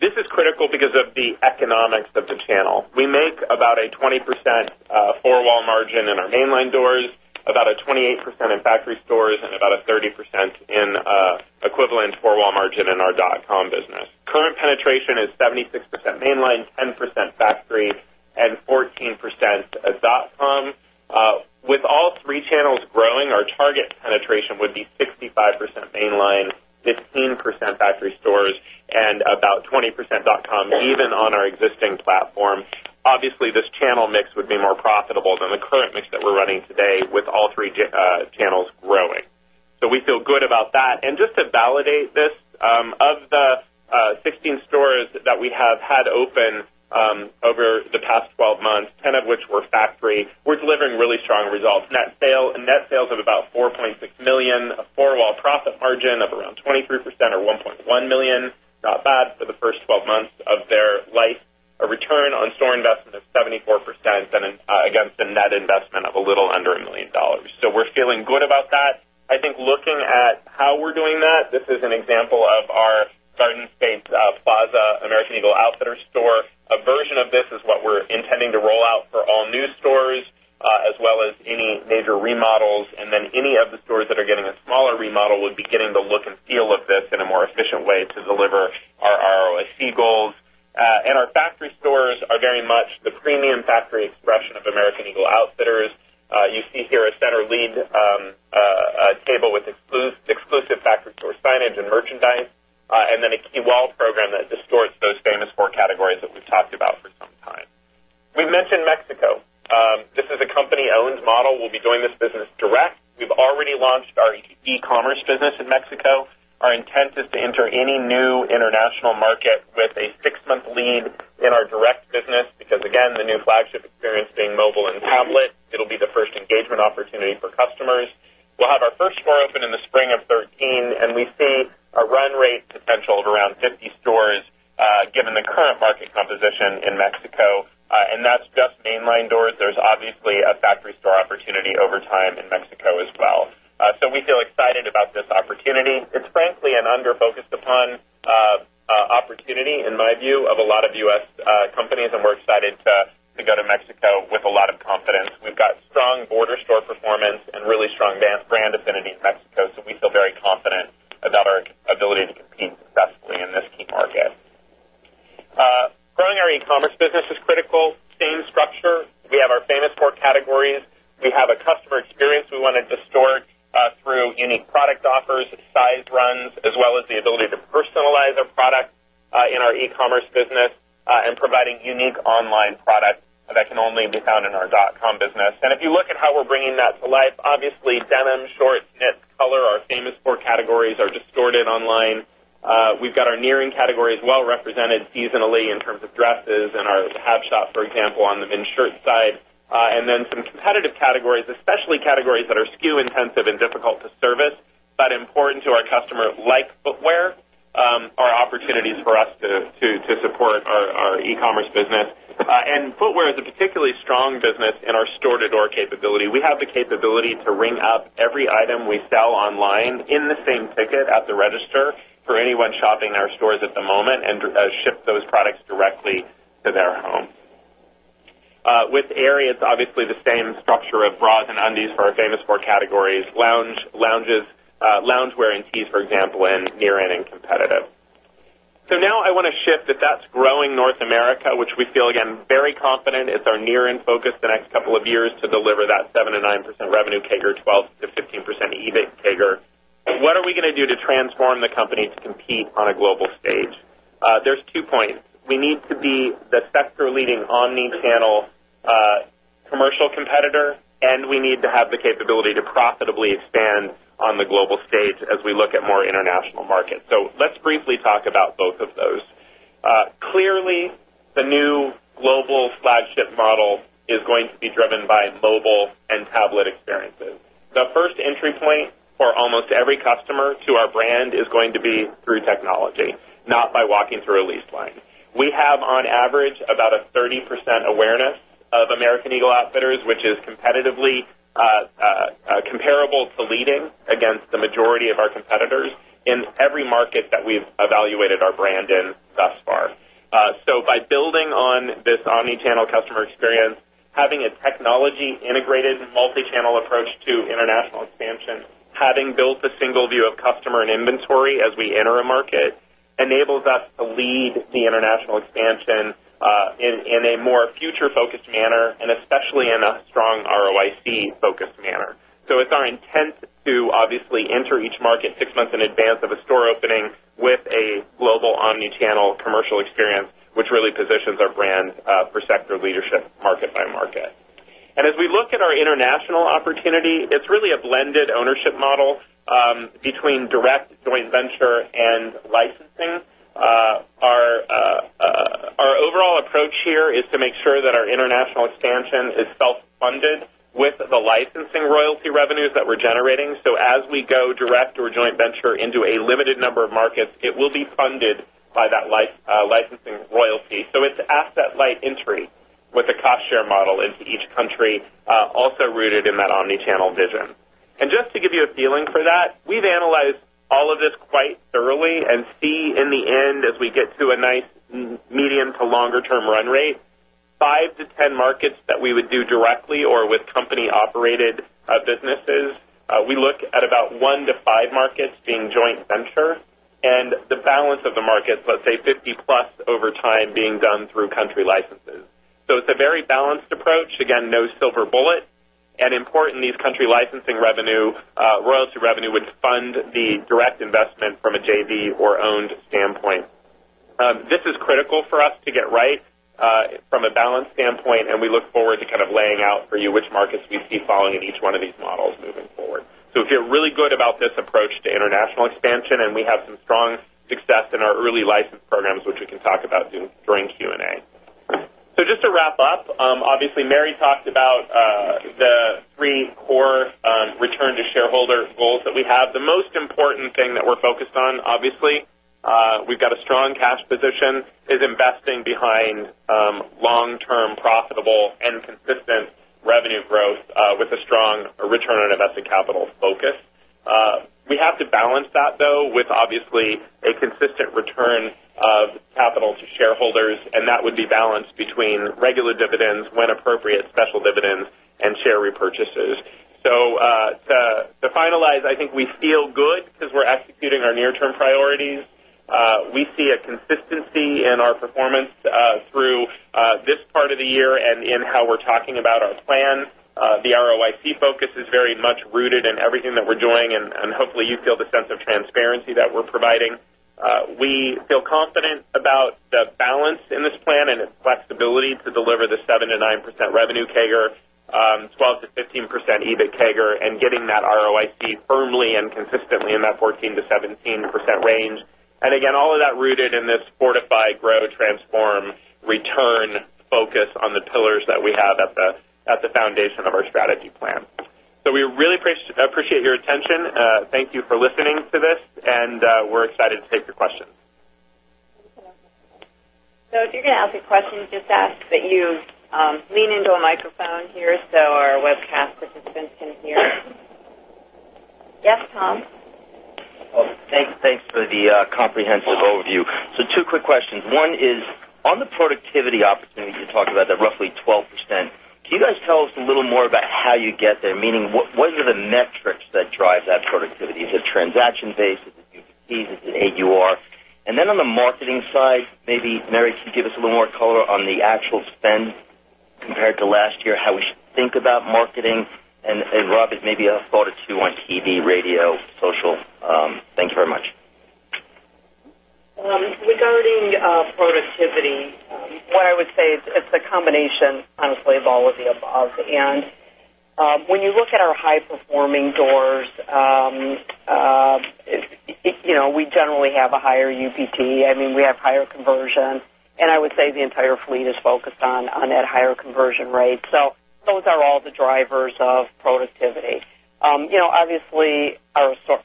This is critical because of the economics of the channel. We make about a 20% four-wall margin in our mainline doors, about a 28% in factory stores, and about a 30% in equivalent four-wall margin in our dotcom business. Current penetration is 76% mainline, 10% factory, and 14% dotcom. With all three channels growing, our target penetration would be 65% mainline, 15% factory stores, and about 20% dotcom, even on our existing platform. This channel mix would be more profitable than the current mix that we're running today with all three channels growing. We feel good about that. Just to validate this, of the 16 stores that we have had open over the past 12 months, 10 of which were factory, we're delivering really strong results. Net sales of about $4.6 million, a four-wall profit margin of around 23% or $1.1 million. Not bad for the first 12 months of their life. A return on store investment of 74% against a net investment of a little under $1 million. We're feeling good about that. Looking at how we're doing that, this is an example of our Garden State Plaza American Eagle Outfitters store. A version of this is what we're intending to roll out for all new stores, as well as any major remodels. Any of the stores that are getting a smaller remodel would be getting the look and feel of this in a more efficient way to deliver our ROIC goals. Our factory stores are very much the premium factory expression of American Eagle Outfitters. You see here a center lead table with exclusive factory store signage and merchandise, and then a key wall program that distorts those famous four categories that we've talked about for some time. We've mentioned Mexico. This is a company-owned model. We'll be doing this business direct. We've already launched our e-commerce business in Mexico. Our intent is to enter any new international market with a six-month lead in our direct business, because, again, the new flagship experience being mobile and tablet, it'll be the first engagement opportunity for customers. We'll have our first store open in the spring of 2013, and we see a run rate potential of around 50 stores, given the current market composition in Mexico. That's just mainline doors. There's obviously a factory store opportunity over time in Mexico as well. We feel excited about this opportunity. It's frankly an under-focused upon opportunity, in my view, of a lot of U.S. companies, and we're excited to go to Mexico with a lot of confidence. We've got strong border store performance and really strong brand affinity in Mexico. We feel very confident about our ability to compete successfully in this key market. Growing our e-commerce business is critical. Same structure. We have our famous four categories. We have a customer experience we want to distort through unique product offers, size runs, as well as the ability to personalize a product in our e-commerce business and providing unique online product that can only be found in our dotcom business. If you look at how we're bringing that to life, obviously denim, shorts, knits, color, our famous four categories are distorted online. We've got our near-in categories well represented seasonally in terms of dresses and our Hab shop, for example, on the men's shirt side. Then some competitive categories, especially categories that are SKU intensive and difficult to service, but important to our customer, like footwear, are opportunities for us to support our e-commerce business. Footwear is a particularly strong business in our store-to-door capability. We have the capability to ring up every item we sell online in the same ticket at the register for anyone shopping in our stores at the moment and ship those products directly to their home. With Aerie, it's obviously the same structure of bras and undies for our famous four categories, loungewear and tees, for example, and near-in and competitive. Now I want to shift, if that's growing North America, which we feel again, very confident is our near-in focus the next couple of years to deliver that 7%-9% revenue CAGR, 12%-15% EBIT CAGR. What are we going to do to transform the company to compete on a global stage? There's two points. We need to be the sector leading omni-channel commercial competitor, and we need to have the capability to profitably expand on the global stage as we look at more international markets. Let's briefly talk about both of those. Clearly, the new global flagship model is going to be driven by mobile and tablet experiences. The first entry point for almost every customer to our brand is going to be through technology, not by walking through a lease line. We have, on average, about a 30% awareness of American Eagle Outfitters, which is competitively comparable to leading against the majority of our competitors in every market that we've evaluated our brand in thus far. By building on this omni-channel customer experience, having a technology integrated multi-channel approach to international expansion, having built a single view of customer and inventory as we enter a market, enables us to lead the international expansion in a more future-focused manner, especially in a strong ROIC-focused manner. It's our intent to obviously enter each market six months in advance of a store opening with a global omni-channel commercial experience, which really positions our brand for sector leadership market by market. As we look at our international opportunity, it's really a blended ownership model between direct joint venture and licensing. Our overall approach here is to make sure that our international expansion is self-funded with the licensing royalty revenues that we're generating. As we go direct or joint venture into a limited number of markets, it will be funded by that licensing royalty. It's asset light entry with a cost share model into each country, also rooted in that omni-channel vision. Just to give you a feeling for that, we've analyzed all of this quite thoroughly and see in the end, as we get to a nice medium to longer term run rate, 5 to 10 markets that we would do directly or with company-operated businesses. We look at about one to five markets being joint venture, and the balance of the markets, let's say 50+ over time being done through country licenses. It's a very balanced approach. Again, no silver bullet, and important, these country licensing revenue, royalty revenue would fund the direct investment from a JV or owned standpoint. This is critical for us to get right from a balance standpoint, and we look forward to laying out for you which markets we see falling in each one of these models moving forward. We feel really good about this approach to international expansion, and we have some strong success in our early license programs, which we can talk about during Q&A. Just to wrap up, obviously Mathias talked about the three core return to shareholder goals that we have. The most important thing that we're focused on, obviously, we've got a strong cash position, is investing behind long-term profitable and consistent revenue growth with a strong return on invested capital focus. We have to balance that, though, with obviously a consistent return of capital to shareholders, and that would be balanced between regular dividends when appropriate, special dividends, and share repurchases. To finalize, I think we feel good because we're executing our near-term priorities. We see a consistency in our performance through this part of the year and in how we're talking about our plan. The ROIC focus is very much rooted in everything that we're doing, and hopefully you feel the sense of transparency that we're providing. We feel confident about the balance in this plan and its flexibility to deliver the 7%-9% revenue CAGR, 12%-15% EBIT CAGR, and getting that ROIC firmly and consistently in that 14%-17% range. Again, all of that rooted in this fortify, grow, transform, return focus on the pillars that we have at the foundation of our strategy plan. We really appreciate your attention. Thank you for listening to this, and we're excited to take your questions. If you're going to ask a question, just ask that you lean into a microphone here so our webcast participants can hear. Yes, Tom. Thanks for the comprehensive overview. Two quick questions. One is, on the productivity opportunities you talked about, that roughly 12%, can you guys tell us a little more about how you get there? Meaning, what are the metrics that drive that productivity? Is it transaction based, is it UPT, is it AUR? Then on the marketing side, maybe Mike, could you give us a little more color on the actual spend compared to last year, how we should think about marketing? Robert, maybe a thought or two on TV, radio, social. Thanks very much. Regarding productivity, what I would say, it's a combination, honestly, of all of the above. When you look at our high performing doors, we generally have a higher UPT. We have higher conversion. I would say the entire fleet is focused on that higher conversion rate. Those are all the drivers of productivity. Obviously,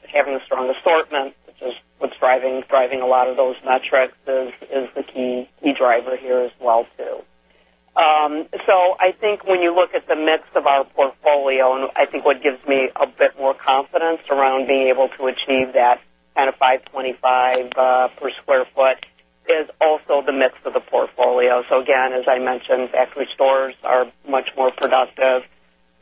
having a strong assortment, which is what's driving a lot of those metrics, is the key driver here as well, too. I think when you look at the mix of our portfolio, I think what gives me a bit more confidence around being able to achieve that kind of 525 per square foot, is also the mix of the portfolio. Again, as I mentioned, factory stores are much more productive.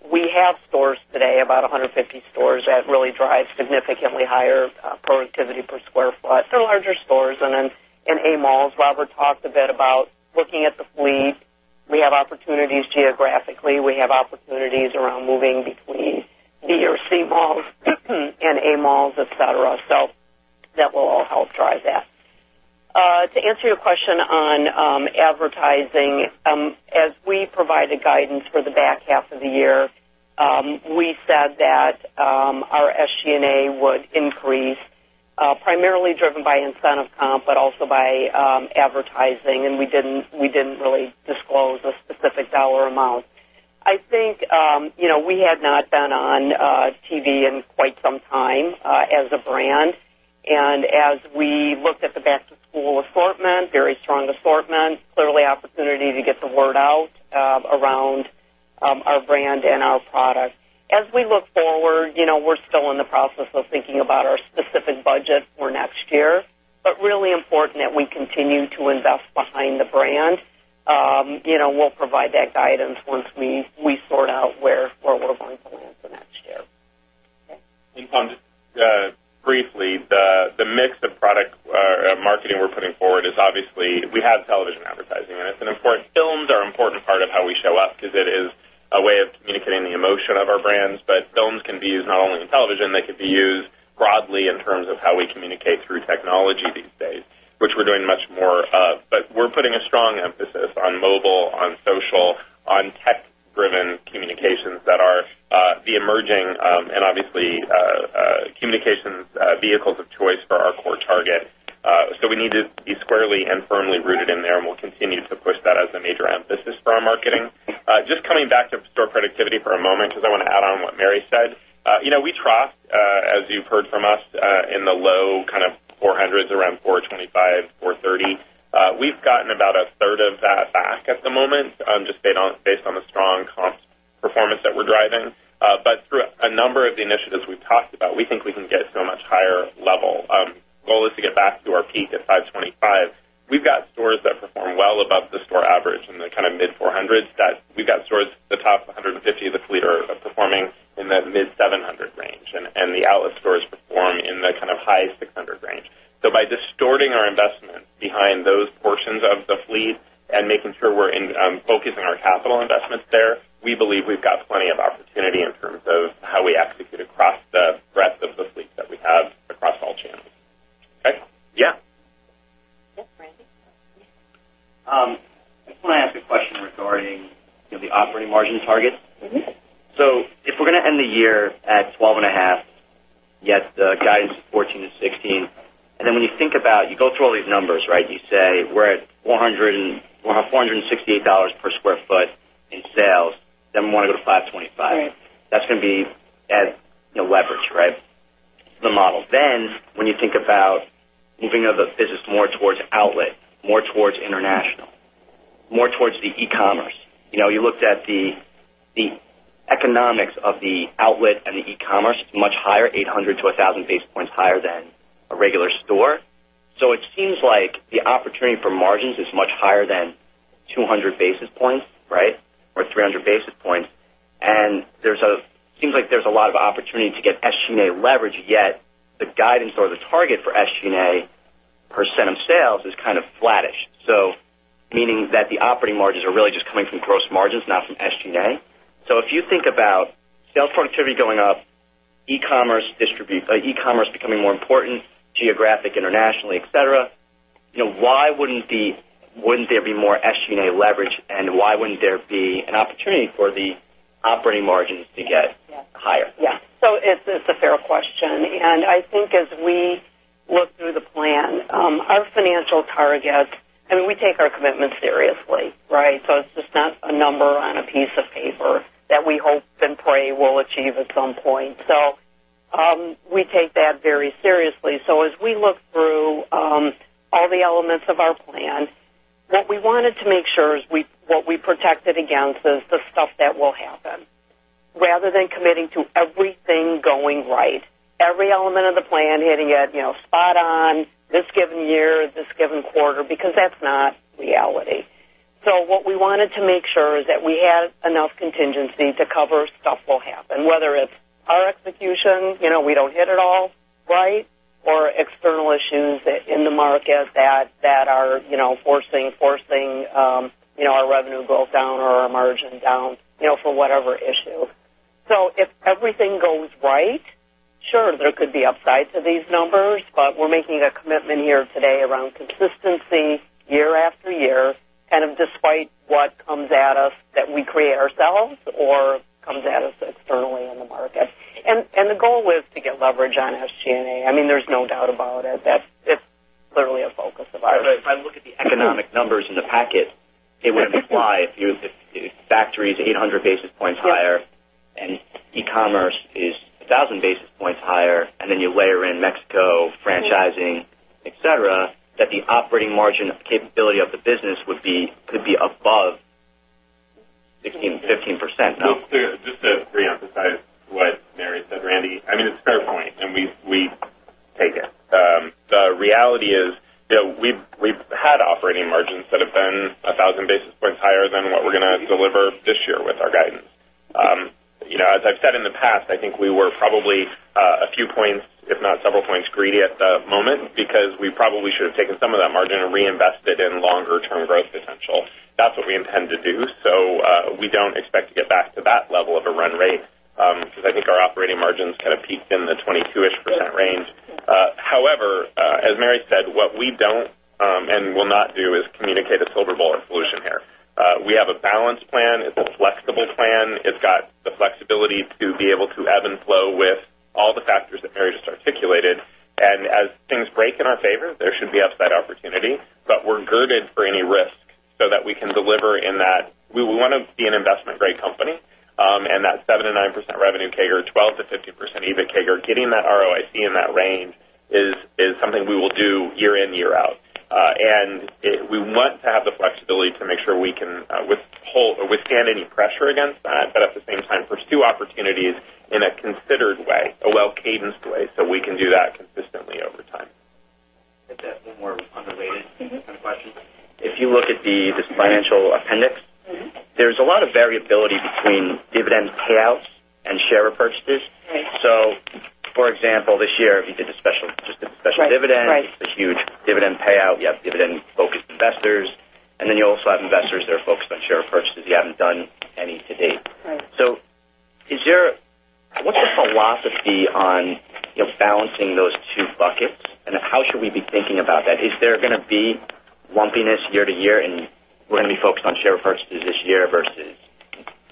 We have stores today, about 150 stores that really drive significantly higher productivity per square foot. They're larger stores and in A malls. Robert talked a bit about looking at the fleet. We have opportunities geographically. We have opportunities around moving between B or C malls and A malls, et cetera. That will all help drive that. To answer your question on advertising, as we provided guidance for the back half of the year, we said that our SG&A would increase, primarily driven by incentive comp, but also by advertising, we didn't really disclose a specific dollar amount. I think we had not been on TV in quite some time as a brand. As we looked at the back-to-school assortment, very strong assortment, clearly opportunity to get the word out around our brand and our product. As we look forward, we're still in the process of thinking about our specific budget for next year, but really important that we continue to invest behind the brand. We'll provide that guidance once we sort out where we're going to land for next year. Tom, just briefly, the mix of marketing we're putting forward is obviously, we have television advertising, and films are an important part of how we show up because it is a way of communicating the emotion of our brands. Films can be used not only in television, they could be used broadly in terms of how we communicate through technology these days, which we're doing much more of. We're putting a strong emphasis on mobile, on social, on tech-driven communications that are the emerging, and obviously, communications vehicles of choice for our core target. We need to be squarely and firmly rooted in there, and we'll continue to push that as a major emphasis for our marketing. Just coming back to store productivity for a moment, because I want to add on what Mike said. We trough, as you've heard from us, in the low 400s, around 425, 430. We've gotten about a third of that back at the moment, just based on the strong comp performance that we're driving. Through a number of the initiatives we've talked about, we think we can get to a much higher level. Goal is to get back to our peak at 525. We've got stores that perform well above the store average in the kind of mid-400s, that we've got stores at the top 150 of the fleet are performing in the mid-700 range, and the outlet stores perform in the kind of high 600 range. By distorting our investment behind those portions of the fleet and making sure we're focusing our capital investments there, we believe we've got plenty of opportunity in terms of how we execute across the breadth of the fleet that we have across all channels. Okay? Yeah. Yes, Randy. I just want to ask a question regarding the operating margin targets. If we're going to end the year at 12.5%, yet the guidance is 14%-16%, then when you think about, you go through all these numbers, right? You say we're at $468 per square foot in sales, then we want to go to $525. Right. Add leverage, right? To the model. When you think about moving of the business more towards outlet, more towards international, more towards the e-commerce. You looked at the economics of the outlet and the e-commerce, much higher, 800-1,000 basis points higher than a regular store. It seems like the opportunity for margins is much higher than 200 basis points, right? Or 300 basis points. Seems like there's a lot of opportunity to get SG&A leverage, yet the guidance or the target for SG&A % of sales is kind of flattish. Meaning that the operating margins are really just coming from gross margins, not from SG&A. If you think about sales productivity going up, e-commerce becoming more important, geographic, internationally, et cetera, why wouldn't there be more SG&A leverage, and why wouldn't there be an opportunity for the operating margins to get higher? Yeah. It's a fair question, and I think as we look through the plan, our financial targets, I mean, we take our commitments seriously, right? It's just not a number on a piece of paper that we hope and pray we'll achieve at some point. We take that very seriously. As we look through all the elements of our plan, what we wanted to make sure is what we protected against is the stuff that will happen, rather than committing to everything going right, every element of the plan hitting it spot on this given year, this given quarter, because that's not reality. What we wanted to make sure is that we had enough contingency to cover stuff will happen, whether it's our execution, we don't hit it all right, or external issues in the market that are forcing our revenue go down or our margin down, for whatever issue. If everything goes right, sure, there could be upside to these numbers, but we're making a commitment here today around consistency year after year, kind of despite what comes at us that we create ourselves or comes at us externally in the market. The goal is to get leverage on SG&A. I mean, there's no doubt about it. It's clearly a focus of ours. If I look at the economic numbers in the packet, it would imply if you, if the factory is 800 basis points higher and e-commerce is 1,000 basis points higher, then you layer in Mexico, franchising, et cetera, that the operating margin capability of the business could be above 15%, no? Just to reemphasize what Mike said, Randy. I mean, it's a fair point, and we take it. The reality is we've had operating margins that have been 1,000 basis points higher than what we're going to deliver this year with our guidance. As I've said in the past, I think we were probably a few points, if not several points greedy at the moment because we probably should have taken some of that margin and reinvested in longer term growth potential. That's what we intend to do. We don't expect to get back to that level of a run rate, because I think our operating margins kind of peaked in the 22-ish% range. However, as Mike said, what we don't, and will not do is communicate a silver bullet solution here. We have a balanced plan. It's a flexible plan. It's got the flexibility to be able to ebb and flow with all the factors that Mike Mathias just articulated. As things break in our favor, there should be upside opportunity. We're girded for any risk so that we can deliver in that. We want to be an investment grade company. That 7%-9% revenue CAGR, 12%-15% EBIT CAGR, getting that ROIC in that range is something we will do year in, year out. We want to have the flexibility to make sure we can withstand any pressure against that, but at the same time, pursue opportunities in a considered way, a well-cadenced way, so we can do that consistently over time. I have one more unrelated kind of question. If you look at this financial appendix. There's a lot of variability between dividend payouts and share repurchases. Right. For example, this year, you did the special dividend. Right. This huge dividend payout. You have dividend focused investors, you also have investors that are focused on share purchases. You haven't done any to date. Right. What's the philosophy on balancing those two buckets? How should we be thinking about that? Is there going to be lumpiness year to year and we're going to be focused on share purchases this year versus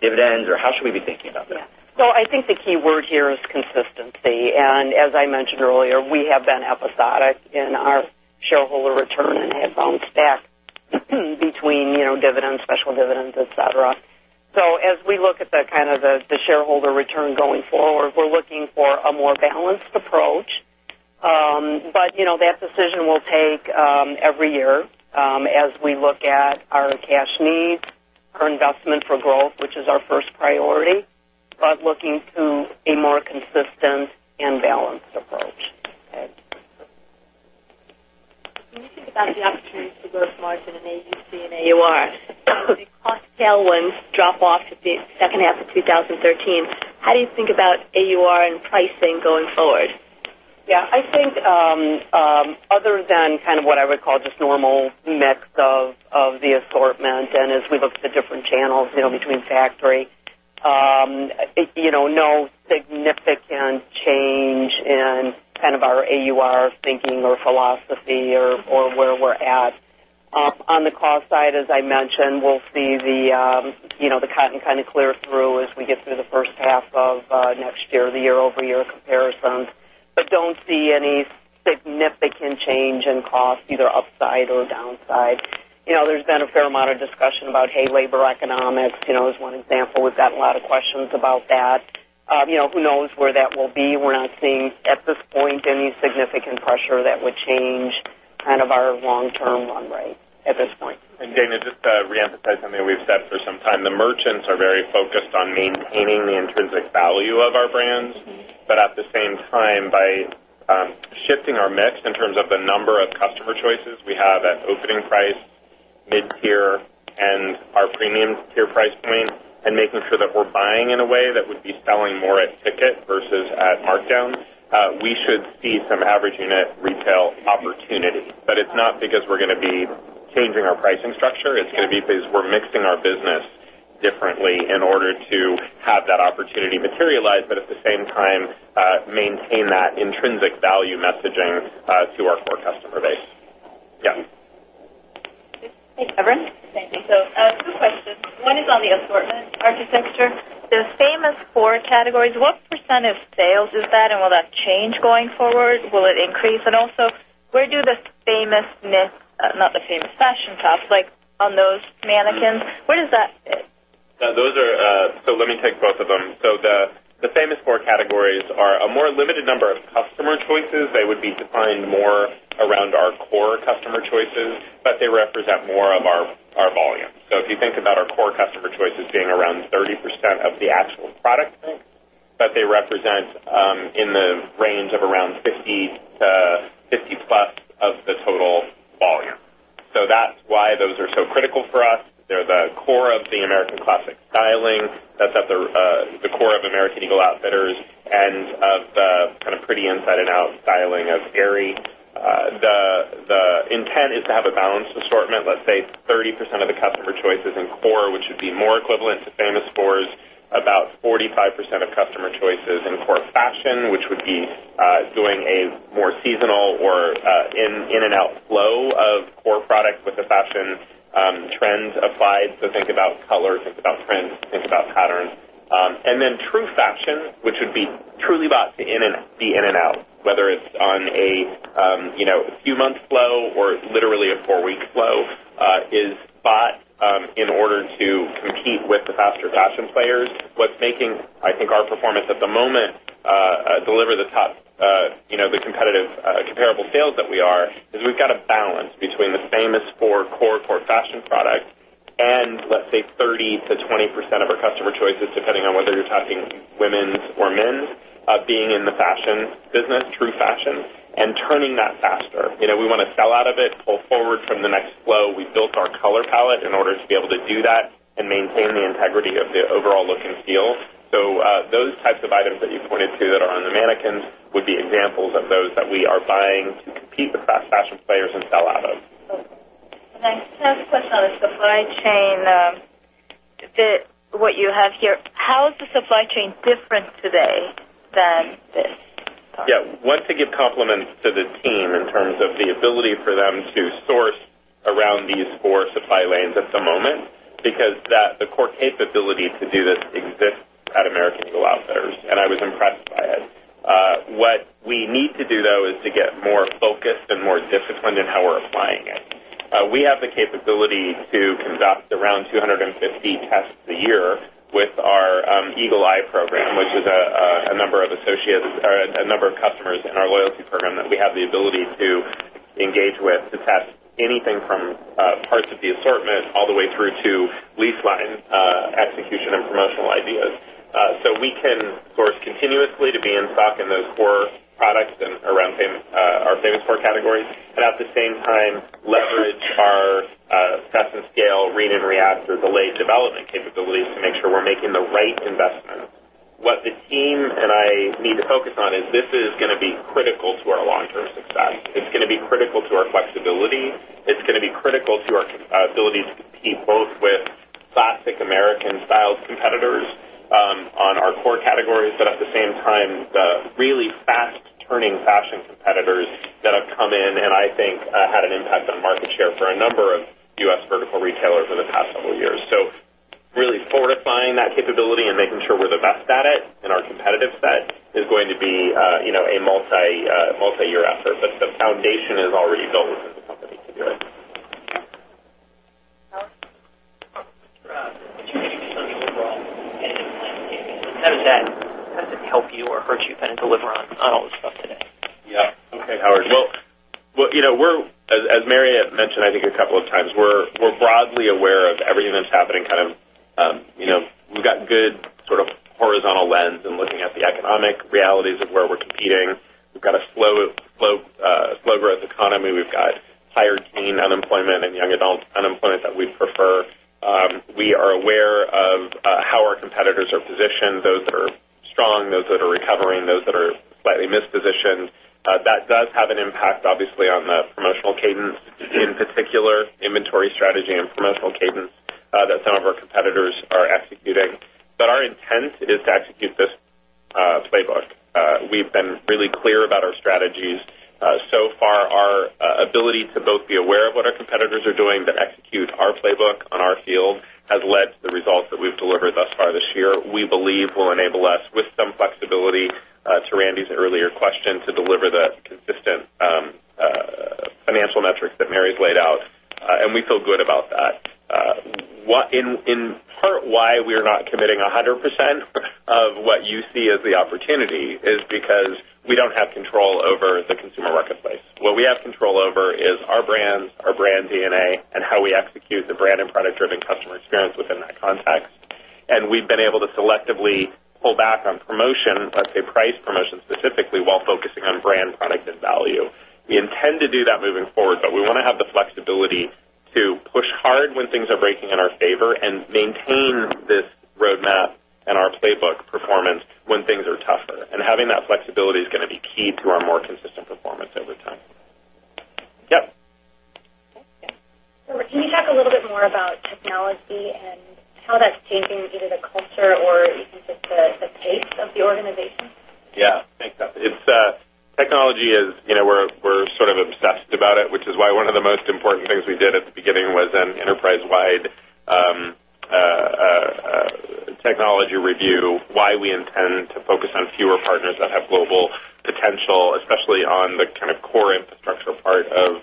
dividends, or how should we be thinking about that? Yeah. I think the key word here is consistency. As I mentioned earlier, we have been episodic in our shareholder return and have bounced back between dividends, special dividends, et cetera. As we look at the shareholder return going forward, we're looking for a more balanced approach. That decision we'll take every year as we look at our cash needs, our investment for growth, which is our first priority, but looking to a more consistent and balanced approach. Okay. When you think about the opportunity to grow margin in AUR and AUR, the cost tailwinds drop off at the second half of 2013. How do you think about AUR and pricing going forward? I think other than what I would call just normal mix of the assortment, and as we look at the different channels between factory, no significant change in our AUR thinking or philosophy or where we're at. On the cost side, as I mentioned, we'll see the cotton clear through as we get through the first half of next year, the year-over-year comparisons. Don't see any significant change in cost, either upside or downside. There's been a fair amount of discussion about labor economics, as one example. We've gotten a lot of questions about that. Who knows where that will be. We're not seeing, at this point, any significant pressure that would change our long-term run rate at this point. Dana, just to re-emphasize something we've said for some time, the merchants are very focused on maintaining the intrinsic value of our brands. At the same time, by shifting our mix in terms of the number of customer choices we have at opening price, mid-tier, and our premium tier price point, and making sure that we're buying in a way that would be selling more at ticket versus at markdown, we should see some average unit retail opportunity. It's not because we're going to be changing our pricing structure. It's going to be because we're mixing our business differently in order to have that opportunity materialize, but at the same time, maintain that intrinsic value messaging to our core customer base. Hey, everyone. Thank you. Two questions. One is on the assortment architecture. The famous four categories, what % of sales is that, and will that change going forward? Will it increase? Also, where do the famous mix, not the famous fashion tops, like on those mannequins, where does that fit? Let me take both of them. The famous four categories are a more limited number of customer choices. They would be defined more around our core customer choices, but they represent more of our volume. If you think about our core customer choices being around 30% of the actual product mix, but they represent in the range of around 50 to 50-plus of the total volume. That's why those are so critical for us. They're the core of the American classic styling that's at the core of American Eagle Outfitters and of the pretty inside and out styling of Aerie. The intent is to have a balanced assortment, let's say 30% of the customer choices in core, which would be more equivalent to famous four, about 45% of customer choices in core fashion, which would be doing a more seasonal or in and out flow of core products with the fashion trends applied. Think about color, think about trends, think about patterns. True fashion, which would be truly bought to be in and out, whether it's on a few months flow or literally a four-week flow, is bought in order to compete with the faster fashion players. What's making, I think, our performance at the moment deliver the competitive comparable sales that we are is we've got a balance between the famous four core fashion products and, let's say, 30%-20% of our customer choices, depending on whether you're talking women's or men's, being in the fashion business, true fashion, and turning that faster. We want to sell out of it, pull forward from the next flow. We built our color palette in order to be able to do that and maintain the integrity of the overall look and feel. Those types of items that you pointed to that are on the mannequins would be examples of those that we are buying to compete with fast fashion players and sell out of. Okay. Second question on the supply chain. What you have here, how is the supply chain different today than this? Yeah. One, to give compliments to the team in terms of the ability for them to source around these four supply lanes at the moment, because the core capability to do this exists at American Eagle Outfitters, and I was impressed by it. What we need to do, though, is to get more focused and more disciplined in how we're applying it. We have the capability to conduct around 250 tests a year with our Eagle Eye program, which is a number of customers in our loyalty program that we have the ability to engage with to test anything from parts of the assortment all the way through to lease line execution and promotional ideas. We can source continuously to be in stock in those core products and around our famous four categories, and at the same time, leverage our test and scale, read and react, or delayed development capabilities to make sure we're making the right investment. What the team and I need to focus on is this is going to be critical to our long-term success. It's going to be critical to our flexibility. It's going to be critical to our ability to compete both with classic American-style competitors on our core categories, but at the same time, the really fast-turning fashion competitors that have come in and I think had an impact on market share for a number of U.S. vertical retailers over the past couple of years. Really fortifying that capability and making sure we're the best at it. Can you just tell me overall, in planning, how does that help you or hurt you then deliver on all this stuff today? Okay, Howard. As Mike Mathias had mentioned, I think a couple of times, we're broadly aware of everything that's happening. We've got good horizontal lens in looking at the economic realities of where we're competing. We've got a slow growth economy. We've got higher teen unemployment and young adult unemployment than we'd prefer. We are aware of how our competitors are positioned, those that are strong, those that are recovering, those that are slightly mispositioned. That does have an impact, obviously, on the promotional cadence, in particular, inventory strategy and promotional cadence, that some of our competitors are executing. Our intent is to execute this playbook. We've been really clear about our strategies. So far, our ability to both be aware of what our competitors are doing, but execute our playbook on our field has led to the results that we've delivered thus far this year. This, we believe, will enable us with some flexibility, to Randy's earlier question, to deliver the consistent financial metrics that Mike Mathias's laid out. We feel good about that. In part, why we're not committing 100% of what you see as the opportunity is because we don't have control over the consumer marketplace. What we have control over is our brands, our brand DNA, and how we execute the brand and product-driven customer experience within that context. We've been able to selectively pull back on promotion, let's say price promotion specifically, while focusing on brand, product, and value. We intend to do that moving forward, we want to have the flexibility to push hard when things are breaking in our favor and maintain this roadmap and our playbook performance when things are tougher. Having that flexibility is going to be key to our more consistent performance over time. Yep. Okay. Can you talk a little bit more about technology and how that's changing either the culture or even just the pace of the organization? Yeah. Thanks. Technology is, we're sort of obsessed about it, which is why one of the most important things we did at the beginning was an enterprise-wide technology review, why we intend to focus on fewer partners that have global potential, especially on the core infrastructure part of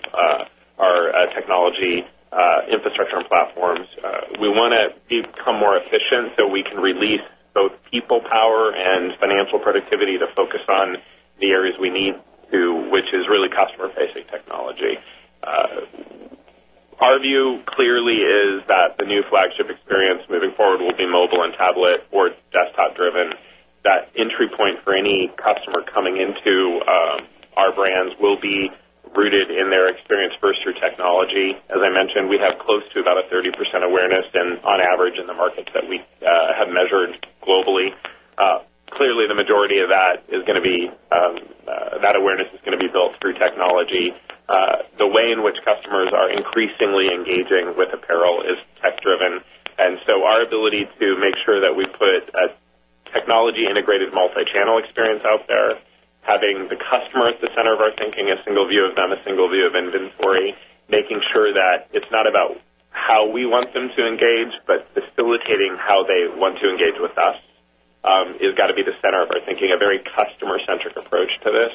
our technology infrastructure and platforms. We want to become more efficient so we can release both people power and financial productivity to focus on the areas we need to, which is really customer-facing technology. Our view clearly is that the new flagship experience moving forward will be mobile and tablet or desktop driven. That entry point for any customer coming into our brands will be rooted in their experience first through technology. As I mentioned, we have close to about a 30% awareness on average in the markets that we have measured globally. Clearly, the majority of that awareness is going to be built through technology. The way in which customers are increasingly engaging with apparel is tech-driven, our ability to make sure that we put a technology-integrated multi-channel experience out there, having the customer at the center of our thinking, a single view of them, a single view of inventory. Making sure that it's not about how we want them to engage, but facilitating how they want to engage with us has got to be the center of our thinking, a very customer-centric approach to this.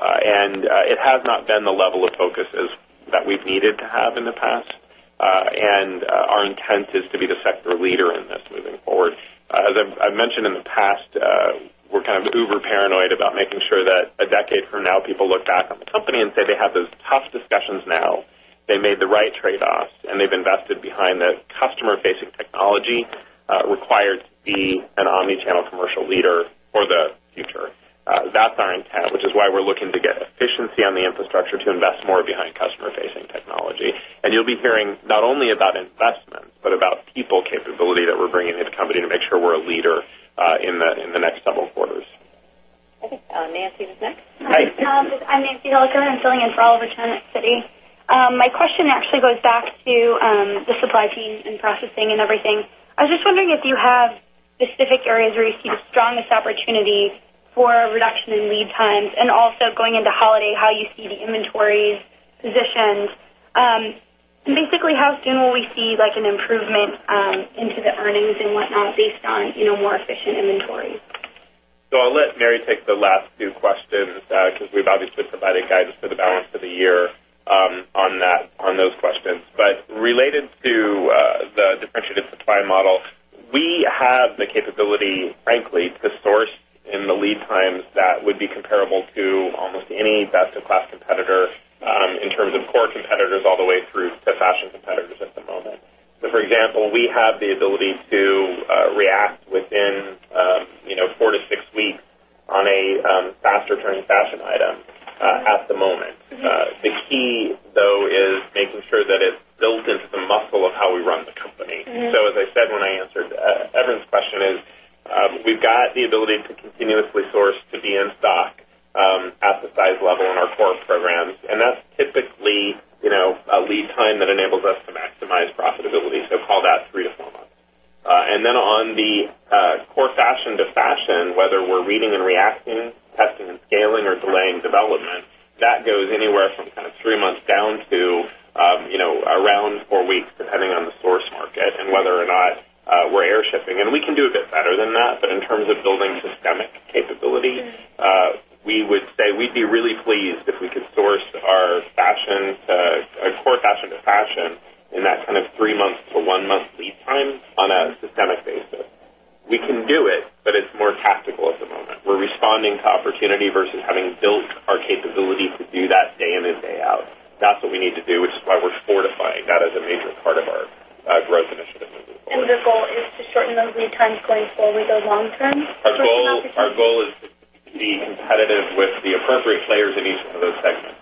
It has not been the level of focus that we've needed to have in the past. Our intent is to be the sector leader in this moving forward. As I've mentioned in the past, we're over paranoid about making sure that a decade from now, people look back on the company and say they had those tough discussions now, they made the right trade-offs, and they've invested behind the customer-facing technology required to be an omni-channel commercial leader for the future. That's our intent, which is why we're looking to get efficiency on the infrastructure to invest more behind customer-facing technology. You'll be hearing not only about investment but about people capability that we're bringing into the company to make sure we're a leader in the next several quarters. Okay. Nancy was next. Hi. I'm Nancy Delicker. I'm filling in for Oliver Chen at Citi. My question actually goes back to the supply chain and processing and everything. I was just wondering if you have specific areas where you see the strongest opportunity for a reduction in lead times and also going into holiday, how you see the inventories positioned. Specifically, how soon will we see an improvement into the earnings and whatnot based on more efficient inventories? I'll let Mike take the last two questions because we've obviously provided guidance for the balance of the year on those questions. Related to the differentiated supply model, we have the capability, frankly, to source in the lead times that would be comparable to almost any best-in-class competitor in terms of core competitors all the way through to fashion competitors at the moment. For example, we have the ability to react within four to six weeks on a fast returning fashion item at the moment. The key, though, is making sure that it's built into the muscle of how we run the company. As I said when I answered Evan's question is, we've got the ability to continuously source to be in stock at the size level in our core programs, and that's typically a lead time that enables us to maximize profitability. Call that three to four months. On the core fashion to fashion, whether we're reading and reacting, testing and scaling, or delaying development, that goes anywhere from three months down to around Four weeks, depending on the source market and whether or not we're air shipping. We can do a bit better than that. In terms of building systemic capability, we would say we'd be really pleased if we could source our core fashion to fashion in that kind of three months to one month lead time on a systemic basis. We can do it, but it's more tactical at the moment. We're responding to opportunity versus having built our capability to do that day in and day out. That's what we need to do, which is why we're fortifying that as a major part of our growth initiative moving forward. The goal is to shorten those lead times going forward or long term? Our goal is to be competitive with the appropriate players in each one of those segments.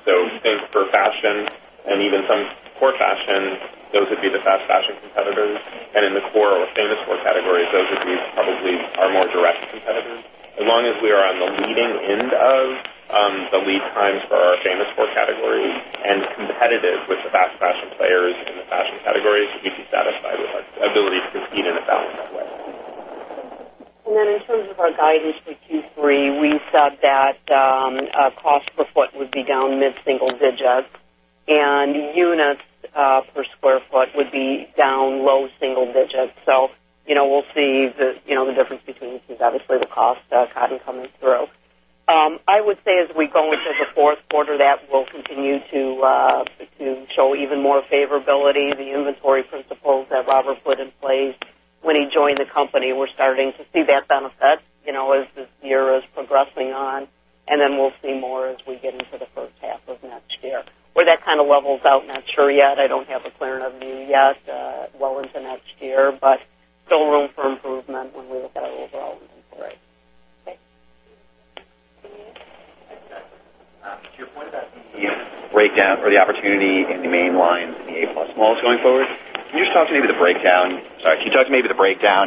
For fashion and even some core fashions, those would be the fast fashion competitors. In the core or famous core categories, those would be probably our more direct competitors. As long as we are on the leading end of the lead times for our famous core categories and competitive with the fast fashion players in the fashion categories, we'd be satisfied with our ability to compete in a balanced way. In terms of our guidance for Q3, we said that cost per foot would be down mid-single digits, and units per square foot would be down low single digits. We'll see the difference between these. Obviously, the cost of cotton coming through. I would say as we go into the fourth quarter, that will continue to show even more favorability. The inventory principles that Robert put in place when he joined the company, we're starting to see that benefit as this year is progressing on, and then we'll see more as we get into the first half of next year. Where that kind of levels out, not sure yet. I don't have a clear view yet well into next year, but still room for improvement when we look at our overall inventory. Okay. To your point about the breakdown or the opportunity in the mainline in the A+ malls going forward, can you talk to maybe the breakdown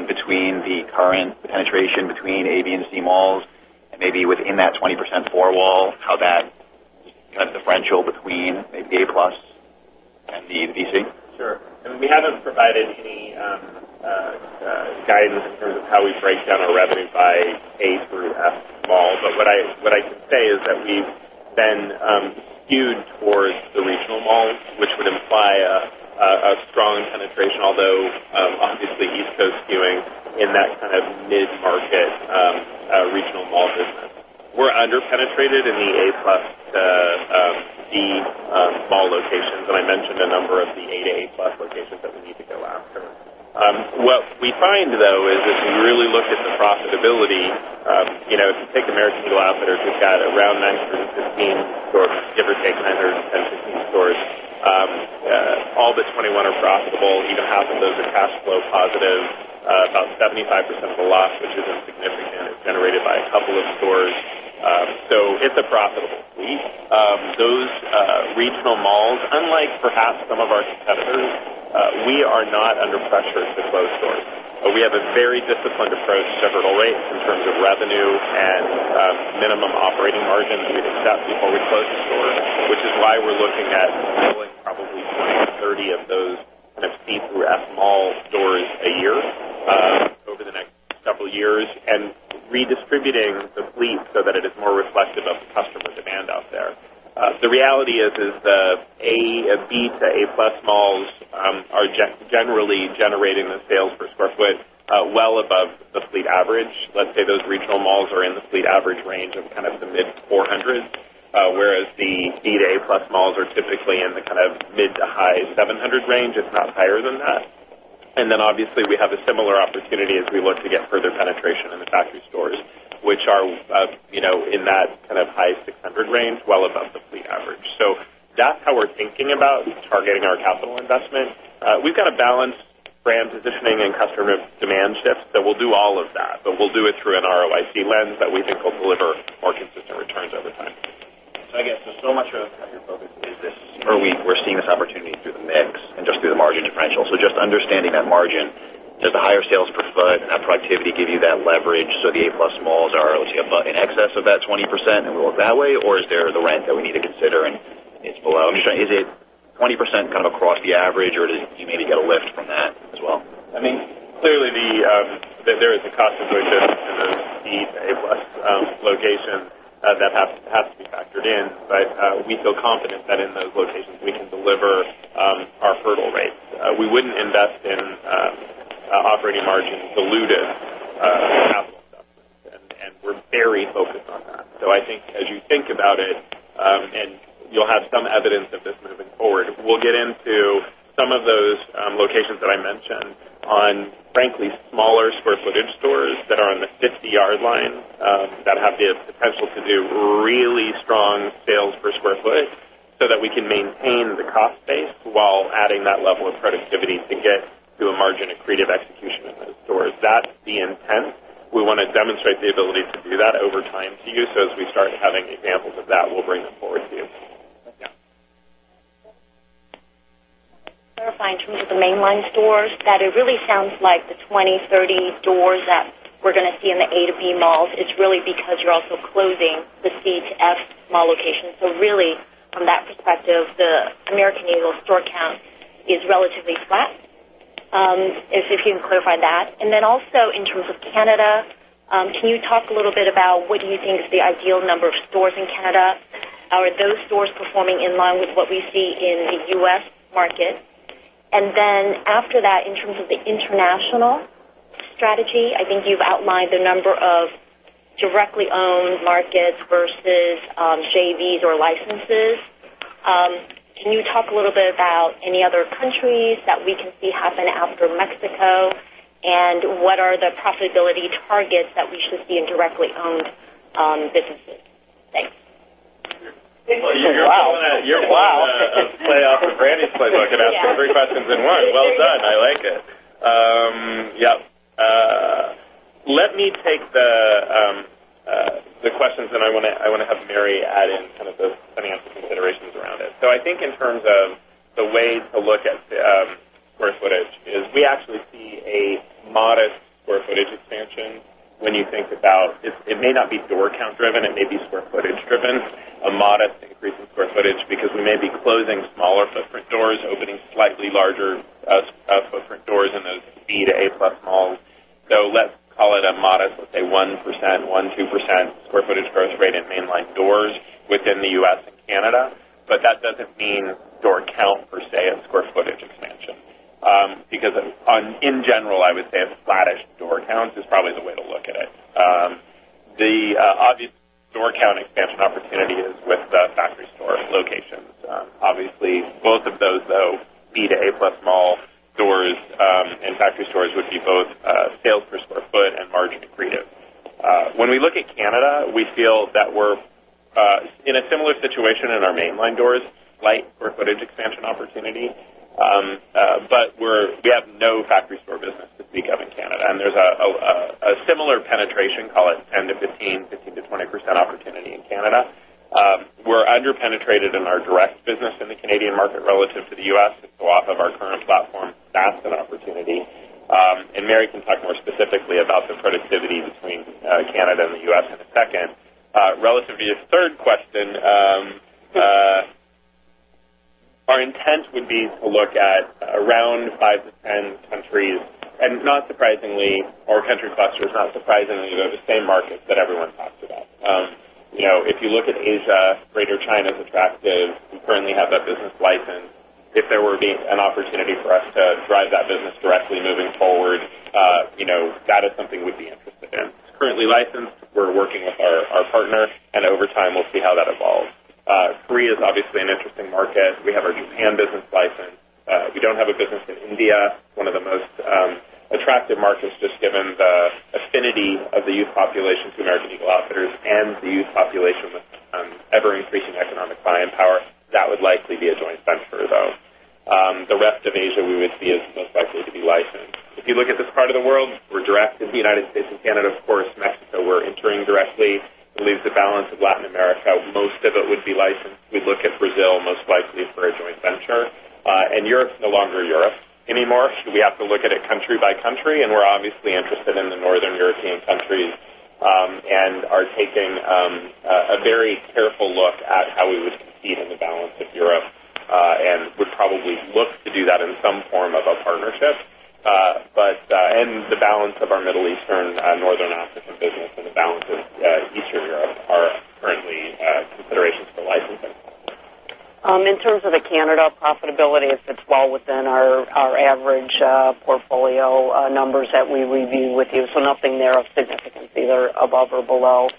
between the current penetration between A, B, and C malls and maybe within that 20% four-wall, how that kind of differential between maybe A+ and B to C? Sure. I mean, we haven't provided any guidance in terms of how we break down our revenue by A through F malls. What I can say is that we've been skewed towards the regional malls, which would imply a strong penetration, although, obviously East Coast skewing in that kind of mid-market, regional mall business. We're under-penetrated in the A plus to B mall locations, and I mentioned a number of the A to A+ locations that we need to go after. What we find, though, is if you really look at the profitability, if you take American Eagle Outfitters, we've got around 915 stores, give or take 10 or 115 stores. All but 21 are profitable. Even half of those are cash flow positive. About 75% of the loss, which is insignificant, is generated by a couple of stores. It's a profitable fleet. Those regional malls, unlike perhaps some of our competitors, we are not under pressure to close stores. We have a very disciplined approach to hurdle rates in terms of revenue and minimum operating margin that we would accept before we close a store, which is why we're looking at opening probably 20 to 30 of those kind of been through all mall stores a year over the next couple of years and redistributing the fleet so that it is more reflective of the customer demand out there. The reality is the A, B to A+ malls are generally generating the sales per square foot well above the fleet average. Let's say those regional malls are in the fleet average range of kind of the mid-400s, whereas the B to A+ malls are typically in the mid to high 700 range, if not higher than that. Obviously, we have a similar opportunity as we look to get further penetration in the factory stores, which are in that kind of high 600 range, well above the fleet average. That's how we're thinking about targeting our capital investment. We've got a balanced brand positioning and customer demand shift, we'll do all of that, but we'll do it through an ROIC lens that we think will deliver more consistent returns over time. I guess so much of your focus is this or we're seeing this opportunity through the mix and just through the margin differential. Just understanding that margin, does the higher sales per foot and productivity give you that leverage? The A+ malls are, let's say, in excess of that 20% and it works that way? Is there the rent that we need to consider and it's below. I'm just trying to Is it 20% kind of across the average or do you maybe get a lift from that as well? Clearly there is a cost associated to those B to A+ locations that have to be factored in. We feel confident that in those locations we can deliver our hurdle rates. We wouldn't invest in operating margins diluted capital investments, and we're very focused on that. I think as you think about it, and you'll have some evidence of this moving forward, we'll get into some of those locations that I mentioned on, frankly, smaller square footage stores that are on the 50-yard line that have the potential to do really strong sales per square foot so that we can maintain the cost base while adding that level of productivity to get to a margin accretive execution in those stores. That's the intent. We want to demonstrate the ability to do that over time to you. As we start having examples of that, we'll bring them forward to you. Yeah. Clarify in terms of the mainline stores, that it really sounds like the 20, 30 stores that we're going to see in the A to B malls is really because you're also closing the C to F mall locations. Really from that perspective, the American Eagle store count is relatively flat. If you can clarify that. Also in terms of Canada, can you talk a little bit about what you think is the ideal number of stores in Canada? Are those stores performing in line with what we see in the U.S. market? After that, in terms of the international strategy, I think you've outlined the number of directly owned markets versus JVs or licenses. Can you talk a little bit about any other countries that we can see happen after Mexico? What are the profitability targets that we should see in directly owned businesses? Thanks. Well, you're pulling a play off of Randy's playbook and asking three questions in one. Well done. I like it. Let me take the questions, and I want to have Mike add in the financial considerations around it. I think in terms of the way to look at square footage is we actually see a modest square footage expansion. When you think about it may not be store count driven, it may be square footage driven, a modest increase in square footage because we may be closing smaller footprint doors, opening slightly larger footprint doors in those B to A-plus malls. Let's call it a modest, let's say 1%, 1%-2% square footage growth rate in mainline stores within the U.S. and Canada. That doesn't mean store count per se and square footage expansion. In general, I would say a flattish store count is probably the way to look at it. The obvious store count expansion opportunity is with the factory store locations. Obviously, both of those, though, B to A-plus mall stores and factory stores would be both sales per square foot and margin accretive. When we look at Canada, we feel that we're in a similar situation in our mainline stores, slight square footage expansion opportunity. We have no factory store business to speak of in Canada. There's a similar penetration, call it 10%-15%, 15%-20% opportunity in Canada. We're under-penetrated in our direct business in the Canadian market relative to the U.S. To go off of our current platform, that's an opportunity. Mike can talk more specifically about the productivity between Canada and the U.S. in a second. Relative to your third question, our intent would be to look at around 5 to 10 countries or country clusters. Not surprisingly, those are the same markets that everyone talks about. If you look at Asia, greater China is attractive. We currently have that business licensed. If there were an opportunity for us to drive that business directly moving forward, that is something we'd be interested in. It's currently licensed. We're working with our partner, and over time, we'll see how that evolves. Korea is obviously an interesting market. We have our Japan business licensed. We don't have a business in India, one of the most attractive markets, just given the affinity of the youth population to American Eagle Outfitters and the youth population with ever-increasing economic buying power. That would likely be a joint venture, though. The rest of Asia we would see as most likely to be licensed. If you look at this part of the world, we're direct in the U.S. and Canada. Of course, Mexico, we're entering directly. It leaves the balance of Latin America. Most of it would be licensed. We look at Brazil most likely for a joint venture. Europe is no longer Europe anymore. We have to look at it country by country, and we're obviously interested in the northern European countries and are taking a very careful look at how we would compete in the balance of Europe and would probably look to do that in some form of a partnership. The balance of our Middle Eastern, Northern African business and the balance of Eastern Europe are currently considerations for licensing. In terms of the Canada profitability, it fits well within our average portfolio numbers that we review with you. Nothing there of significance, either above or below.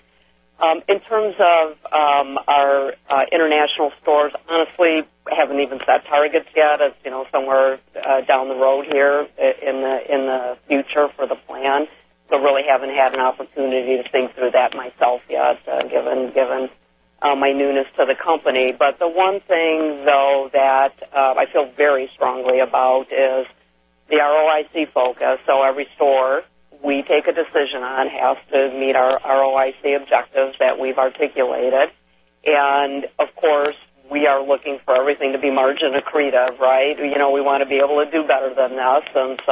In terms of our international stores, honestly, haven't even set targets yet. That's somewhere down the road here in the future for the plan. Really haven't had an opportunity to think through that myself yet, given my newness to the company. The one thing, though, that I feel very strongly about is the ROIC focus. Every store we take a decision on has to meet our ROIC objectives that we've articulated. Of course, we are looking for everything to be margin accretive. We want to be able to do better than this.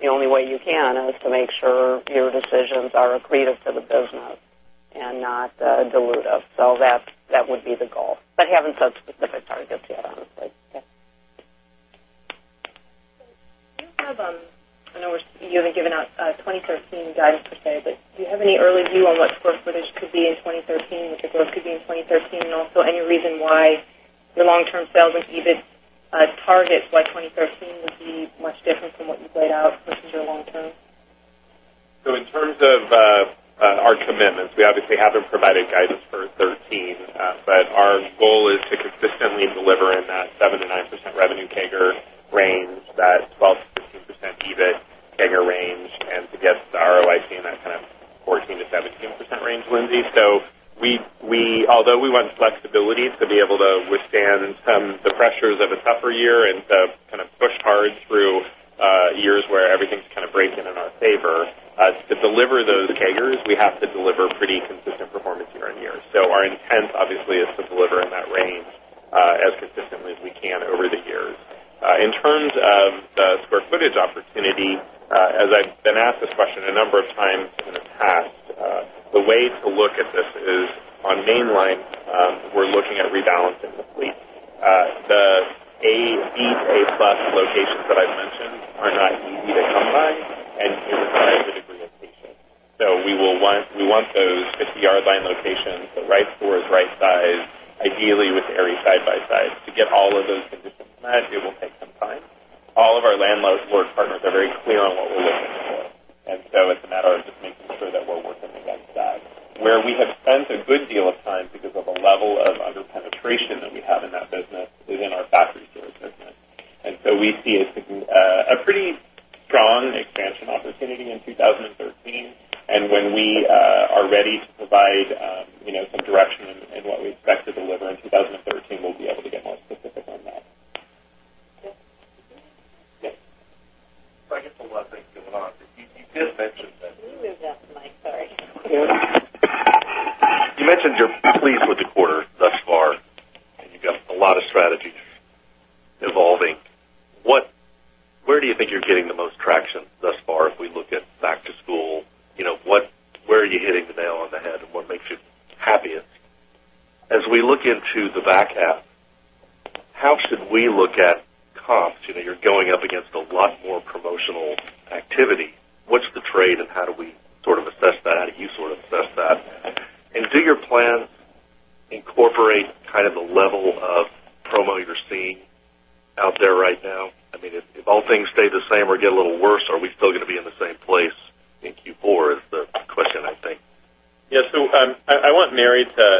The only way you can is to make sure your decisions are accretive to the business and not dilutive. That would be the goal. Haven't set specific targets yet, honestly. Yeah. I know you haven't given out 2013 guidance per se, do you have any early view on what square footage could be in 2013, and what the growth could be in 2013? Any reason why your long-term sales and EBIT targets by 2013 would be much different from what you've laid out versus your long term? In terms of our commitments, we obviously haven't provided guidance for 2013. Our goal is to consistently deliver in that 7%-9% revenue CAGR range, that 12%-15% EBIT CAGR range, and to get to the ROIC in that kind of 14%-17% range, Lindsay. Although we want flexibility to be able to withstand some of the pressures of a tougher year and to push hard through years where everything's breaking in our favor. To deliver those CAGRs, we have to deliver pretty consistent performance year on year. Our intent, obviously, is to deliver in that range as consistently as we can over the years. In terms of the square footage opportunity, as I've been asked this question a number of times. The ways to look at this is on mainline, we're looking at rebalancing the fleet. The A, B, A+ locations that I've mentioned are not easy to come by. It's a scientific relocation. We want those 50-yard line locations, the right stores, right size, ideally with Aerie side by side. To get all of those conditions met, it will take some time. All of our landlords work partners are very clear on what we're looking for. It's a matter of just making sure that we're working against that. Where we have spent a good deal of time because of a level of under-penetration that we have in that business is in our factory store business. We see a pretty strong expansion opportunity in 2013. When we are ready to provide some direction in what we expect to deliver in 2013, we'll be able to get more specific on that. Jeff. Yes. I guess there's a lot of things going on. You did mention that. You moved off the mic. Sorry. You mentioned you're pleased with the quarter thus far. You've got a lot of strategies evolving. Where do you think you're getting the most traction thus far if we look at back to school? Where are you hitting the nail on the head? What makes you happiest? As we look into the back half, how should we look at comps? You're going up against a lot more promotional activity. What's the trade? How do we sort of assess that? How do you sort of assess that? Do your plans incorporate the level of promo you're seeing out there right now? If all things stay the same or get a little worse, are we still going to be in the same place in Q4, is the question, I think. Yes. I want Mike Mathias to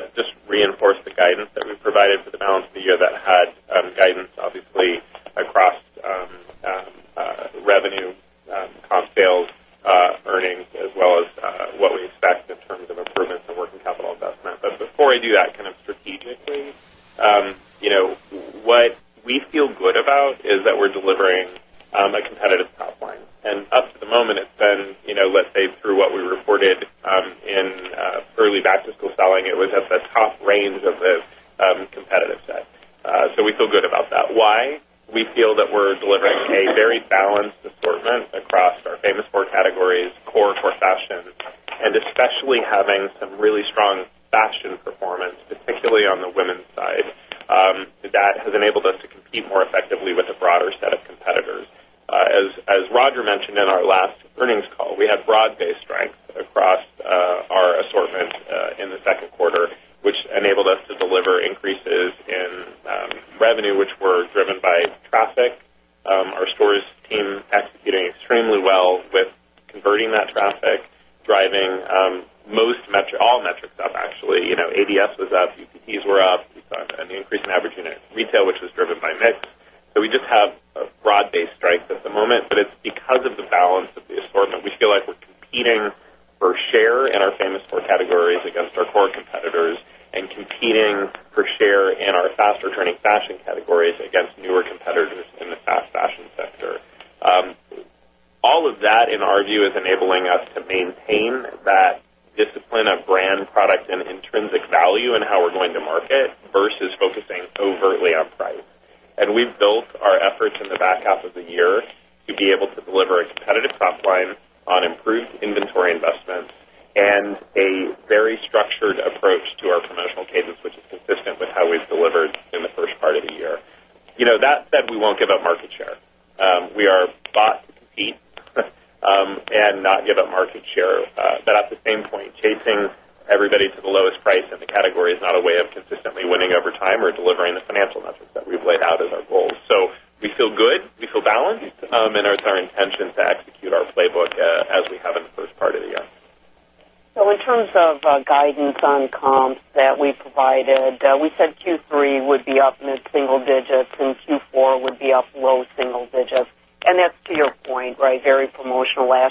comps that we provided, we said Q3 would be up mid-single digits and Q4 would be up low single digits. That's to your point, very promotional. Q4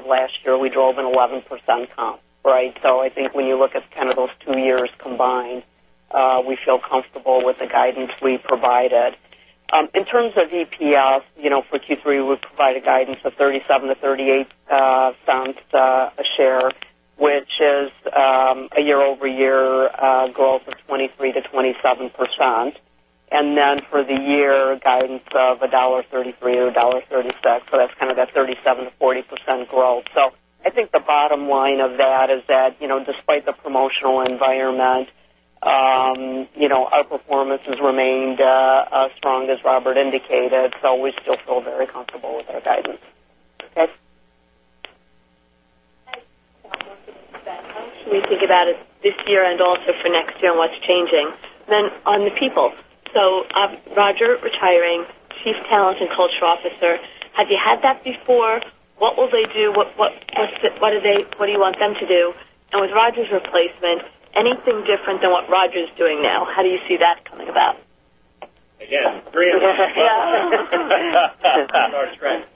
of last year, we drove an 11% comp. I think when you look at kind of those two years combined, we feel comfortable with the guidance we provided. In terms of EPS, for Q3, we provided guidance of $0.37-$0.38 a share, which is a year-over-year growth of 23%-27%. For the year, guidance of $1.33 or $1.36. That's kind of that 37%-40% growth. I think the bottom line of that is that despite the promotional environment, our performance has remained as strong as Robert indicated. We still feel very comfortable with our guidance. Okay. How should we think about it this year and also for next year? What's changing then on the people? Roger retiring, Chief Talent and Cultural Officer. Had you had that before? What will they do? What do you want them to do? With Roger's replacement, anything different than what Roger's doing now? How do you see that coming about? Again, three at once. Yeah. That's our strength.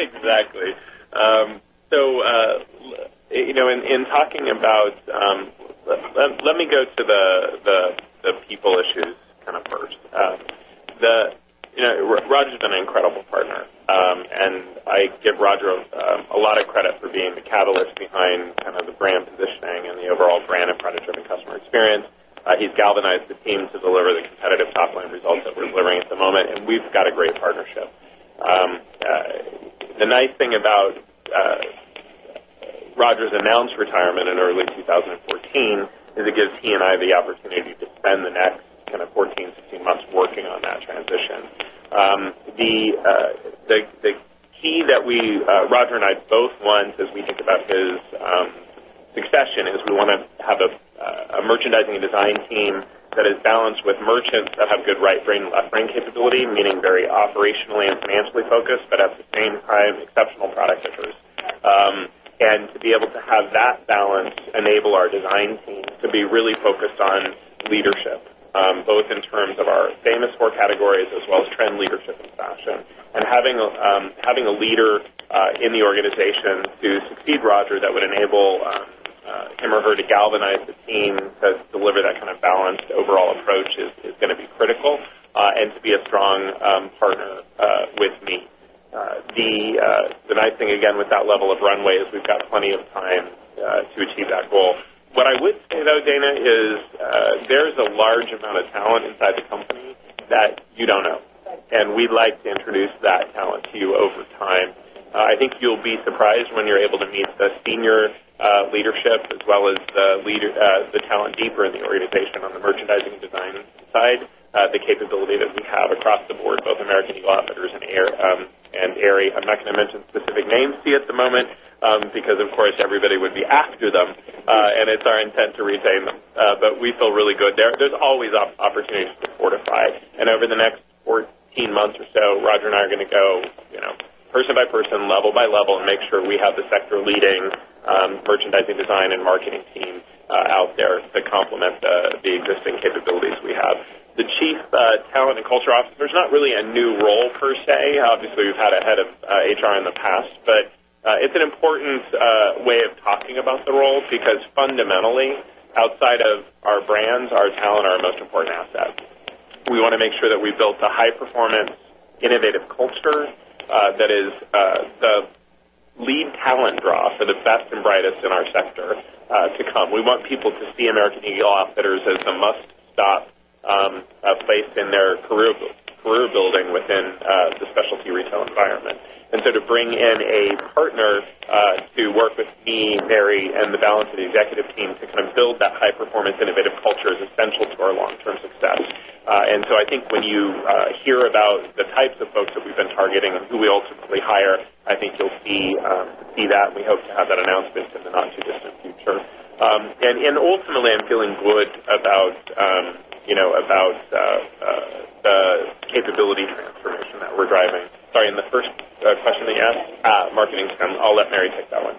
Exactly. In talking about, let me go to the people issues first. Roger's an incredible partner. I give Roger a lot of credit for being the catalyst behind the brand positioning and the overall brand and product-driven customer experience. He's galvanized the team to deliver the competitive top-line results that we're delivering at the moment, and we've got a great partnership. The nice thing about Roger's announced retirement in early 2014 is it gives he and I the opportunity to spend the next 14, 16 months working on that transition. The key that Roger and I both want as we think about his succession is we want to have a merchandising and design team that is balanced with merchants that have good right brain, left brain capability, meaning very operationally and financially focused, but at the same time, exceptional product pickers. To be able to have that balance enable our design team to be really focused on leadership, both in terms of our famous four categories as well as trend leadership and fashion. Having a leader in the organization to succeed Roger that would enable him or her to galvanize the team to deliver that kind of balanced overall approach is going to be critical, and to be a strong partner with me. The nice thing, again, with that level of runway is we've got plenty of time to achieve that goal. What I would say, though, Dana, is there's a large amount of talent inside the company that you don't know, and we'd like to introduce that talent to you over time. I think you'll be surprised when you're able to meet the senior leadership as well as the talent deeper in the organization on the merchandising and design side, the capability that we have across the board, both American Eagle Outfitters and Aerie. I'm not going to mention specific names to you at the moment because, of course, everybody would be after them, and it's our intent to retain them. We feel really good. There's always opportunities to fortify. Over the next 14 months or so, Roger and I are going to go person by person, level by level, and make sure we have the sector-leading merchandising, design, and marketing team out there to complement the existing capabilities we have. The Chief Talent and Culture Officer is not really a new role per se. Obviously, we've had a head of HR in the past, but it's an important way of talking about the role because fundamentally, outside of our brands, our talent are our most important assets. We want to make sure that we built a high-performance, innovative culture that is the lead talent draw for the best and brightest in our sector to come. We want people to see American Eagle Outfitters as a must-stop place in their career building within the specialty retail environment. To bring in a partner to work with me, Mike, and the balance of the executive team to build that high-performance innovative culture is essential to our long-term success. I think when you hear about the types of folks that we've been targeting and who we ultimately hire, I think you'll see that, and we hope to have that announcement in the not-too-distant future. Ultimately, I'm feeling good about the capability transformation that we're driving. Sorry, the first question that you asked, marketing spend, I'll let Mike take that one.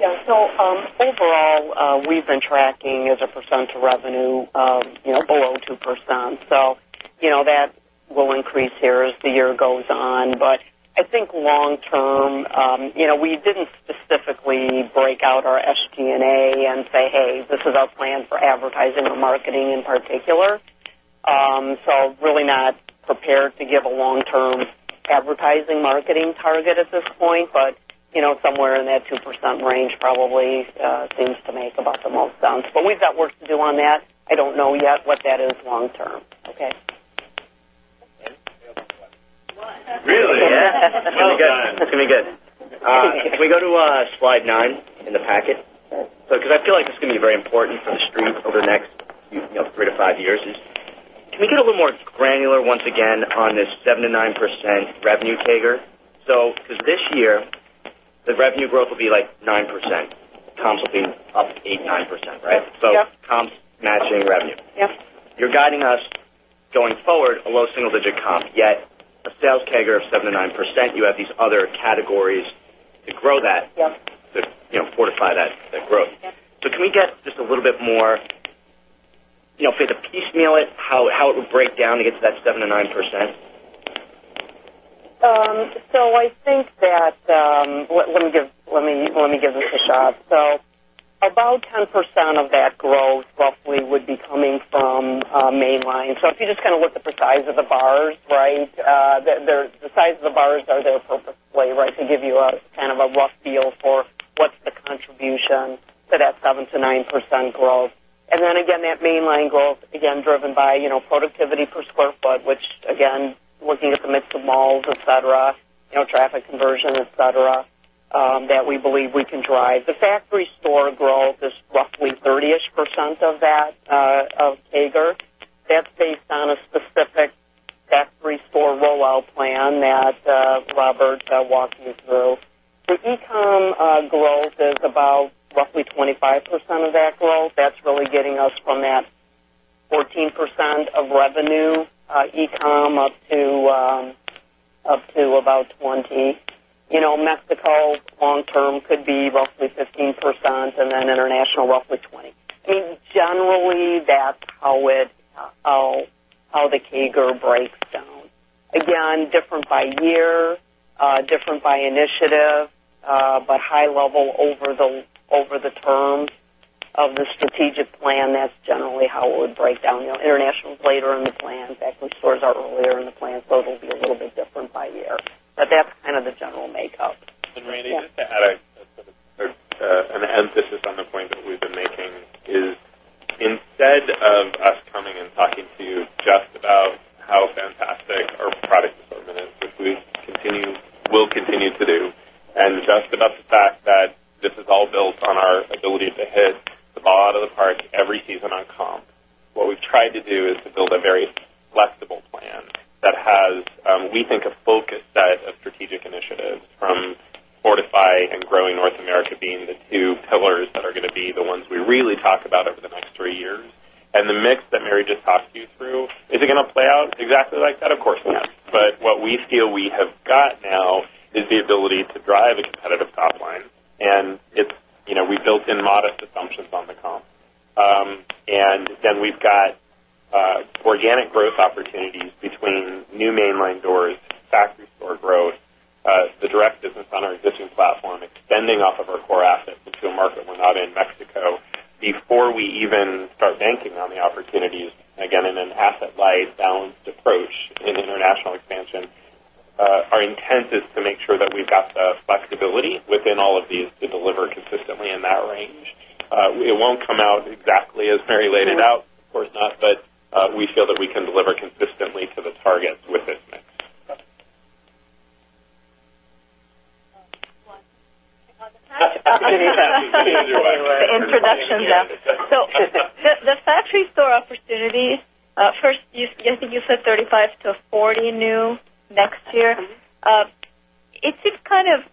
Yeah. Overall, we've been tracking as a percent of revenue below 2%. That will increase here as the year goes on. I think long term, we didn't specifically break out our SG&A and say, "Hey, this is our plan for advertising or marketing in particular." Really not prepared to give a long-term advertising marketing target at this point, but somewhere in that 2% range probably seems to make about the most sense. We've got work to do on that. I don't know yet what that is long term. Okay. Really? It's going to be good. Can we go to slide nine in the packet? Because I feel like this is going to be very important for the stream over the next three to five years. Can we get a little more granular once again on this 7%-9% revenue CAGR? Because this year, the revenue growth will be like 9%. Comps will be up 8%, 9%, right? Yes. Comps matching revenue. Yes. You're guiding us going forward a low single-digit comp, yet a sales CAGR of 7%-9%. You have these other categories to grow that. Yes. To fortify that growth. Yes. Can we get just a little bit more, if we had to piecemeal it, how it would break down to get to that 7%-9%? Let me give this a shot. About 10% of that growth, roughly, would be coming from mainline. If you just look at the size of the bars. The size of the bars are there for display to give you a rough feel for what's the contribution to that 7%-9% growth. Then again, that mainline growth, again, driven by productivity per square foot, which again, looking at the mix of malls, et cetera, traffic conversion, et cetera, that we believe we can drive. The factory store growth is roughly 30%-ish of CAGR. That's based on a specific factory store rollout plan that Robert walked you through. The e-com growth is about roughly 25% of that growth. That's really getting us from that 14% of revenue e-com up to about 20%. Mexico long term could be roughly 15%, and then international, roughly 20%. I think generally, that's how the CAGR breaks down. Again, different by year, different by initiative, but high level over the term of the strategic plan, that's generally how it would break down. International is later in the plan. Factory stores are earlier in the plan. It'll be a little bit different by year. But that's the general makeup. Randy, just to add an emphasis on the point that we've been making is instead of us coming and talking to you just about how fantastic our product development is, which we will continue to do, and just about the fact that this is all built on our ability to hit the ball out of the park every season on comp. What we've tried to do is to build a very flexible plan that has, we think, a focused set of strategic initiatives from Fortify and growing North America being the two pillars that are going to be the ones we really talk about over the next three years. The mix that Mike just talked you through, is it going to play out exactly like that? Of course not. But what we feel we have got now is the ability to drive a competitive top line. We built in modest assumptions on the comp. We've got organic growth opportunities between new mainline doors, factory store growth, the direct business on our existing platform, extending off of our core assets into a market we're not in, Mexico, before we even start banking on the opportunities, again, in an asset-light, balanced approach in international expansion. Our intent is to make sure that we've got the flexibility within all of these to deliver consistently in that range. It won't come out exactly as Mike laid it out, of course not, but we feel that we can deliver consistently to the targets with this mix. The introduction there. The factory store opportunity. First, I think you said 35-40 new next year. It seems kind of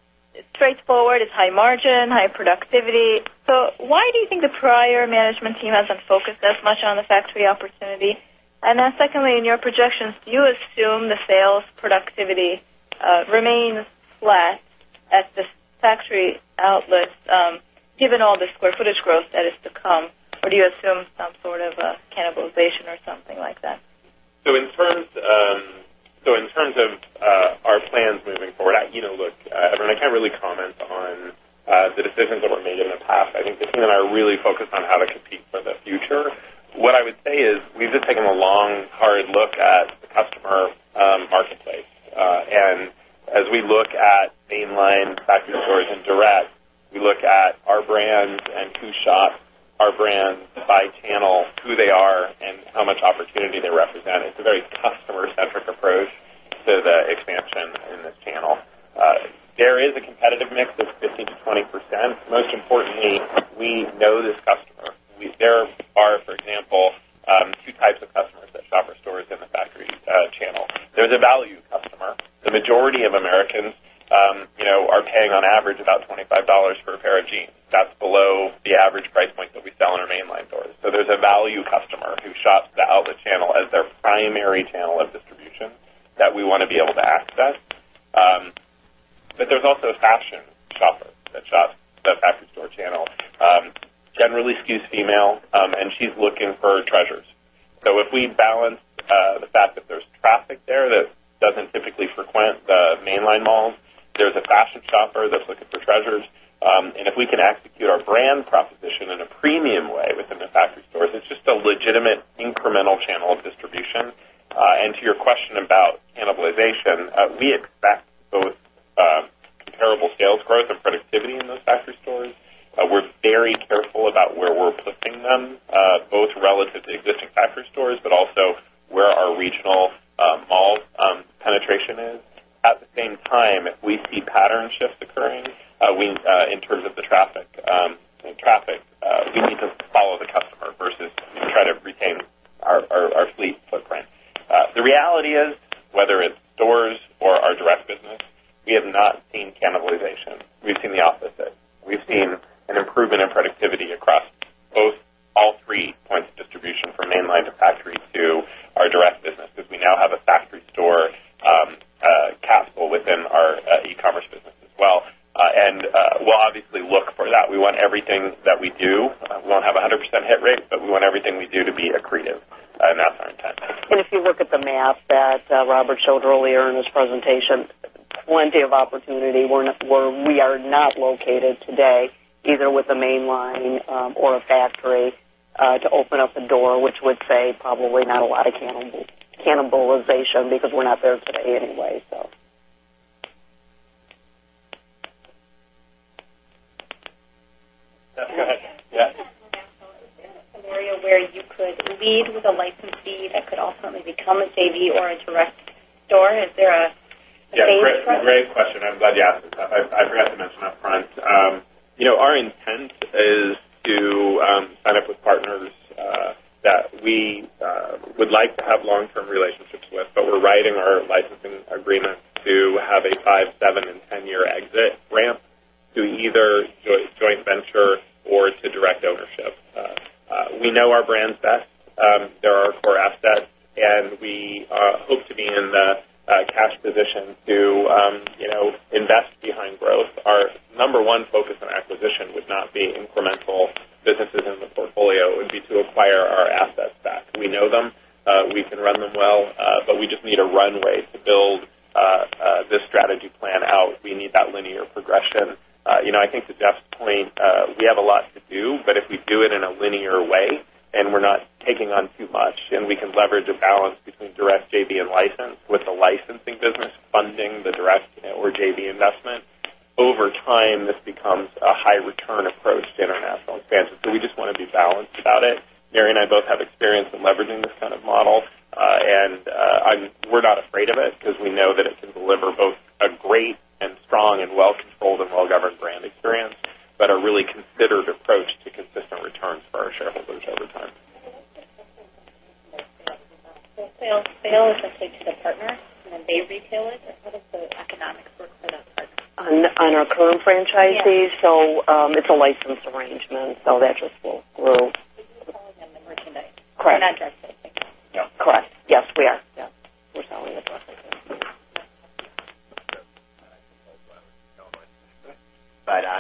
straightforward. It's high margin, high productivity. Why do you think the prior management team hasn't focused as much on the factory opportunity? Secondly, in your projections, do you assume the sales productivity remains flat at the factory outlets given all the square footage growth that is to come? Do you assume some sort of cannibalization or something like that? In terms of our plans moving forward, look, everyone, I can't really comment on the decisions that were made in the past. I think Tiffany and I are really focused on how to compete for the future. What I would say is we've just taken a long, hard look at the customer marketplace. As we look at mainline factory stores and direct, we look at our brands and who shops our brands by channel, who they are, and how much opportunity they represent. It's a very customer-centric approach to the expansion in this channel. There is a competitive mix of 15%-20%. Most importantly, we know this customer. There are, for example, 2 types of customers that shop our stores in the factory channel. There's a value customer. The majority of Americans are paying on average about $25 for a pair of jeans. That's below the average price point that we sell in our mainline stores. There's a value customer who shops the outlet channel as their primary channel of distribution that we want to be able to access. There's also a fashion shopper that shops the factory store channel. Generally skews female, and she's looking for treasures. If we balance the fact that there's traffic there that doesn't typically frequent the mainline malls, there's a fashion shopper that's looking for treasures. If we can execute our brand proposition in a premium way within the factory stores, it's just a legitimate incremental channel of distribution. To your question about cannibalization, we expect both comparable sales growth and productivity in those factory stores. We're very careful about where we're putting them, both relative to existing factory stores, but also where our regional mall penetration is. At the same time, if we see pattern shifts occurring in terms of the traffic, Is there a phase for that? Yeah, great question. I'm glad you asked this. I forgot to mention up front. Our intent is to sign up with partners that we would like to have long-term relationships with, but we're writing our licensing agreement to have a five, seven, and 10-year exit ramp to either joint venture or to direct ownership. We know our brands best. They're our core assets, and we hope to be in the cash position to invest behind growth. Our number one focus on acquisition would not be incremental businesses in the portfolio. It would be to acquire our assets back. We know them, we can run them well, but we just need a runway to build this strategy plan out. We need that linear progression. I think to Jeff's point, we have a lot to do, but if we do it in a linear way and we're not taking on too much, and we can leverage a balance between direct JV and license with the licensing business Funding the direct or JV investment. Over time, this becomes a high return approach to international expansion. We just want to be balanced about it. Mike Mathias and I both have experience in leveraging this kind of model, and we're not afraid of it because we know that it can deliver both a great and strong and well-controlled and well-governed brand experience, but a really considered approach to consistent returns for our shareholders over time. On our current franchisees? Yes. It's a license arrangement, so that just will grow. Correct. Correct. Yes, we are. Yeah. We're selling the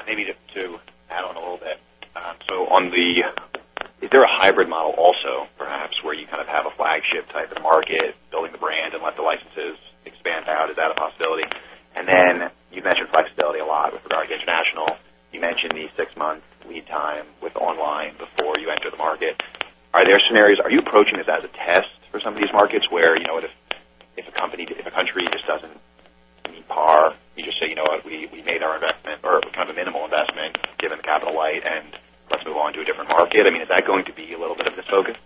Maybe to add on a little bit. Is there a hybrid model also, perhaps, where you kind of have a flagship type in the market, building the brand and let the licenses expand out? Is that a possibility? You mentioned flexibility a lot with regard to international. You mentioned the six-month lead time with online before you enter the market. Are you approaching this as a test for some of these markets where, if a country just doesn't meet par, you just say, "You know what, we made our investment or kind of a minimal investment given the capital light and let's move on to a different market." Is that going to be a little bit of the focus?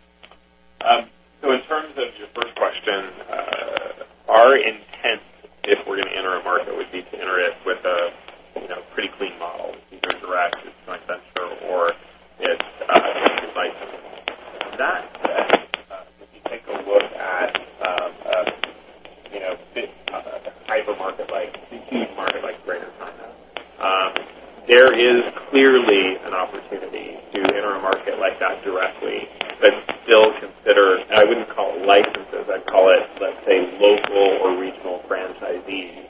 In terms of your first question, our intent, if we're going to enter a market, would be to enter it with a pretty clean model. It's either direct through joint venture or it's licensing. That said, if you take a look at a type of market like Greater China. There is clearly an opportunity to enter a market like that directly, but still consider, I wouldn't call it licenses, I'd call it, let's say, local or regional franchisees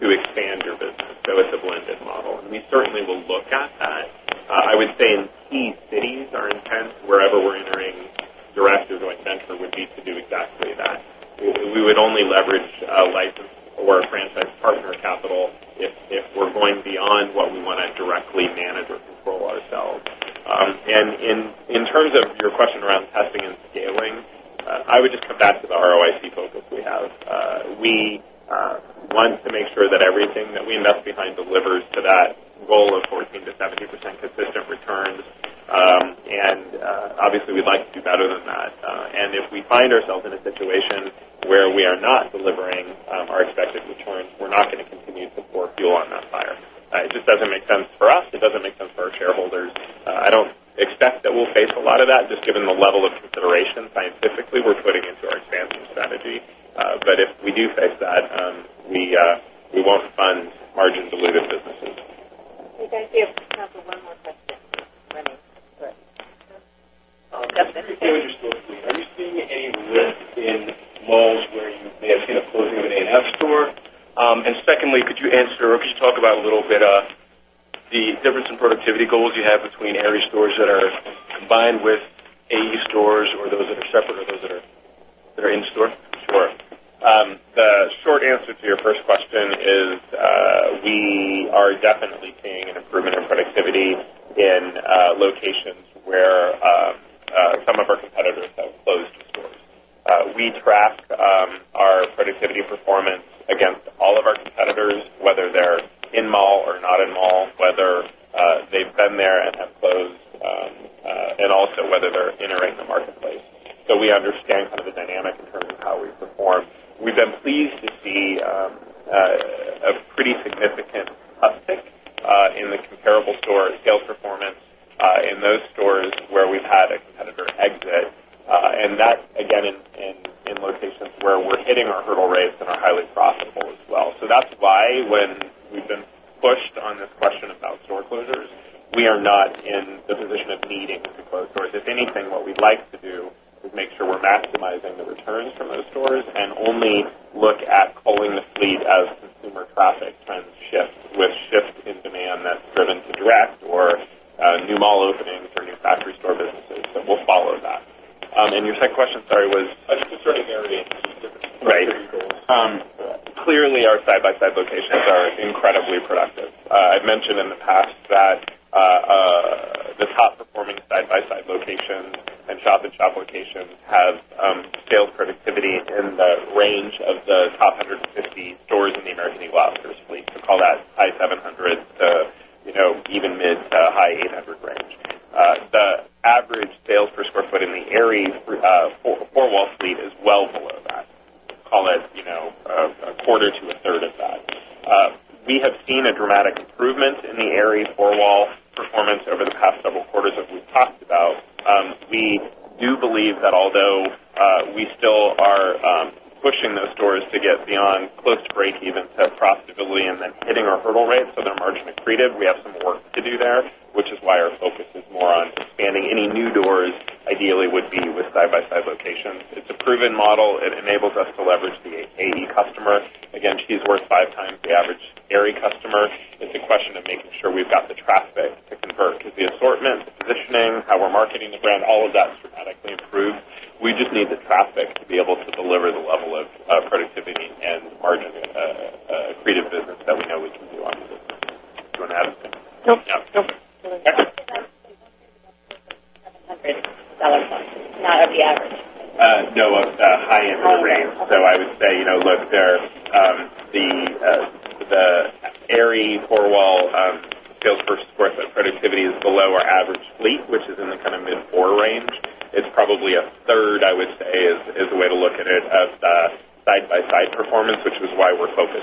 to expand your business. It's a blended model. We certainly will look at that. I would say in key cities, our intent, wherever we're entering direct through joint venture, would be to do exactly that. We would only leverage a license or a franchise partner capital if we're going beyond what we want to directly manage or control ourselves. In terms of your question around testing and scaling, I would just come back to the ROIC focus we have. We want to make sure that everything that we invest behind delivers to that goal of 14%-17% consistent returns. Obviously, we'd like to do better than that. If we find ourselves in a situation where we are not delivering our expected returns, we're not going to continue to pour fuel on that fire. It just doesn't make sense for us. It doesn't make sense for our shareholders. I don't expect that we'll face a lot of that, just given the level of consideration scientifically we're putting into our expansion strategy. If we do face that, we won't fund margin-dilutive businesses. Okay. We have time for one more question. Randy, go ahead. Two quick things. Just real quick, are you seeing any lift in malls where you may have seen a closing of an A&F store? Secondly, could you answer or could you talk about a little bit the difference in productivity goals you have between Aerie stores that are combined with AE stores or those that are separate or those that are in-store? Sure. The short answer to your first question is we are definitely seeing an improvement in productivity in locations where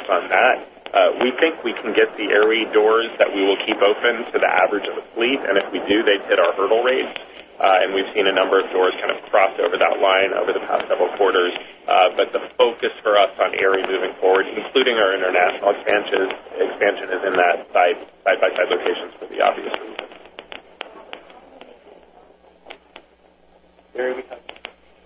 on that. We think we can get the Aerie doors that we will keep open to the average of the fleet. If we do, they'd hit our hurdle rates. We've seen a number of doors kind of cross over that line over the past several quarters. The focus for us on Aerie moving forward, including our international expansion, is in that side-by-side locations for the obvious reasons.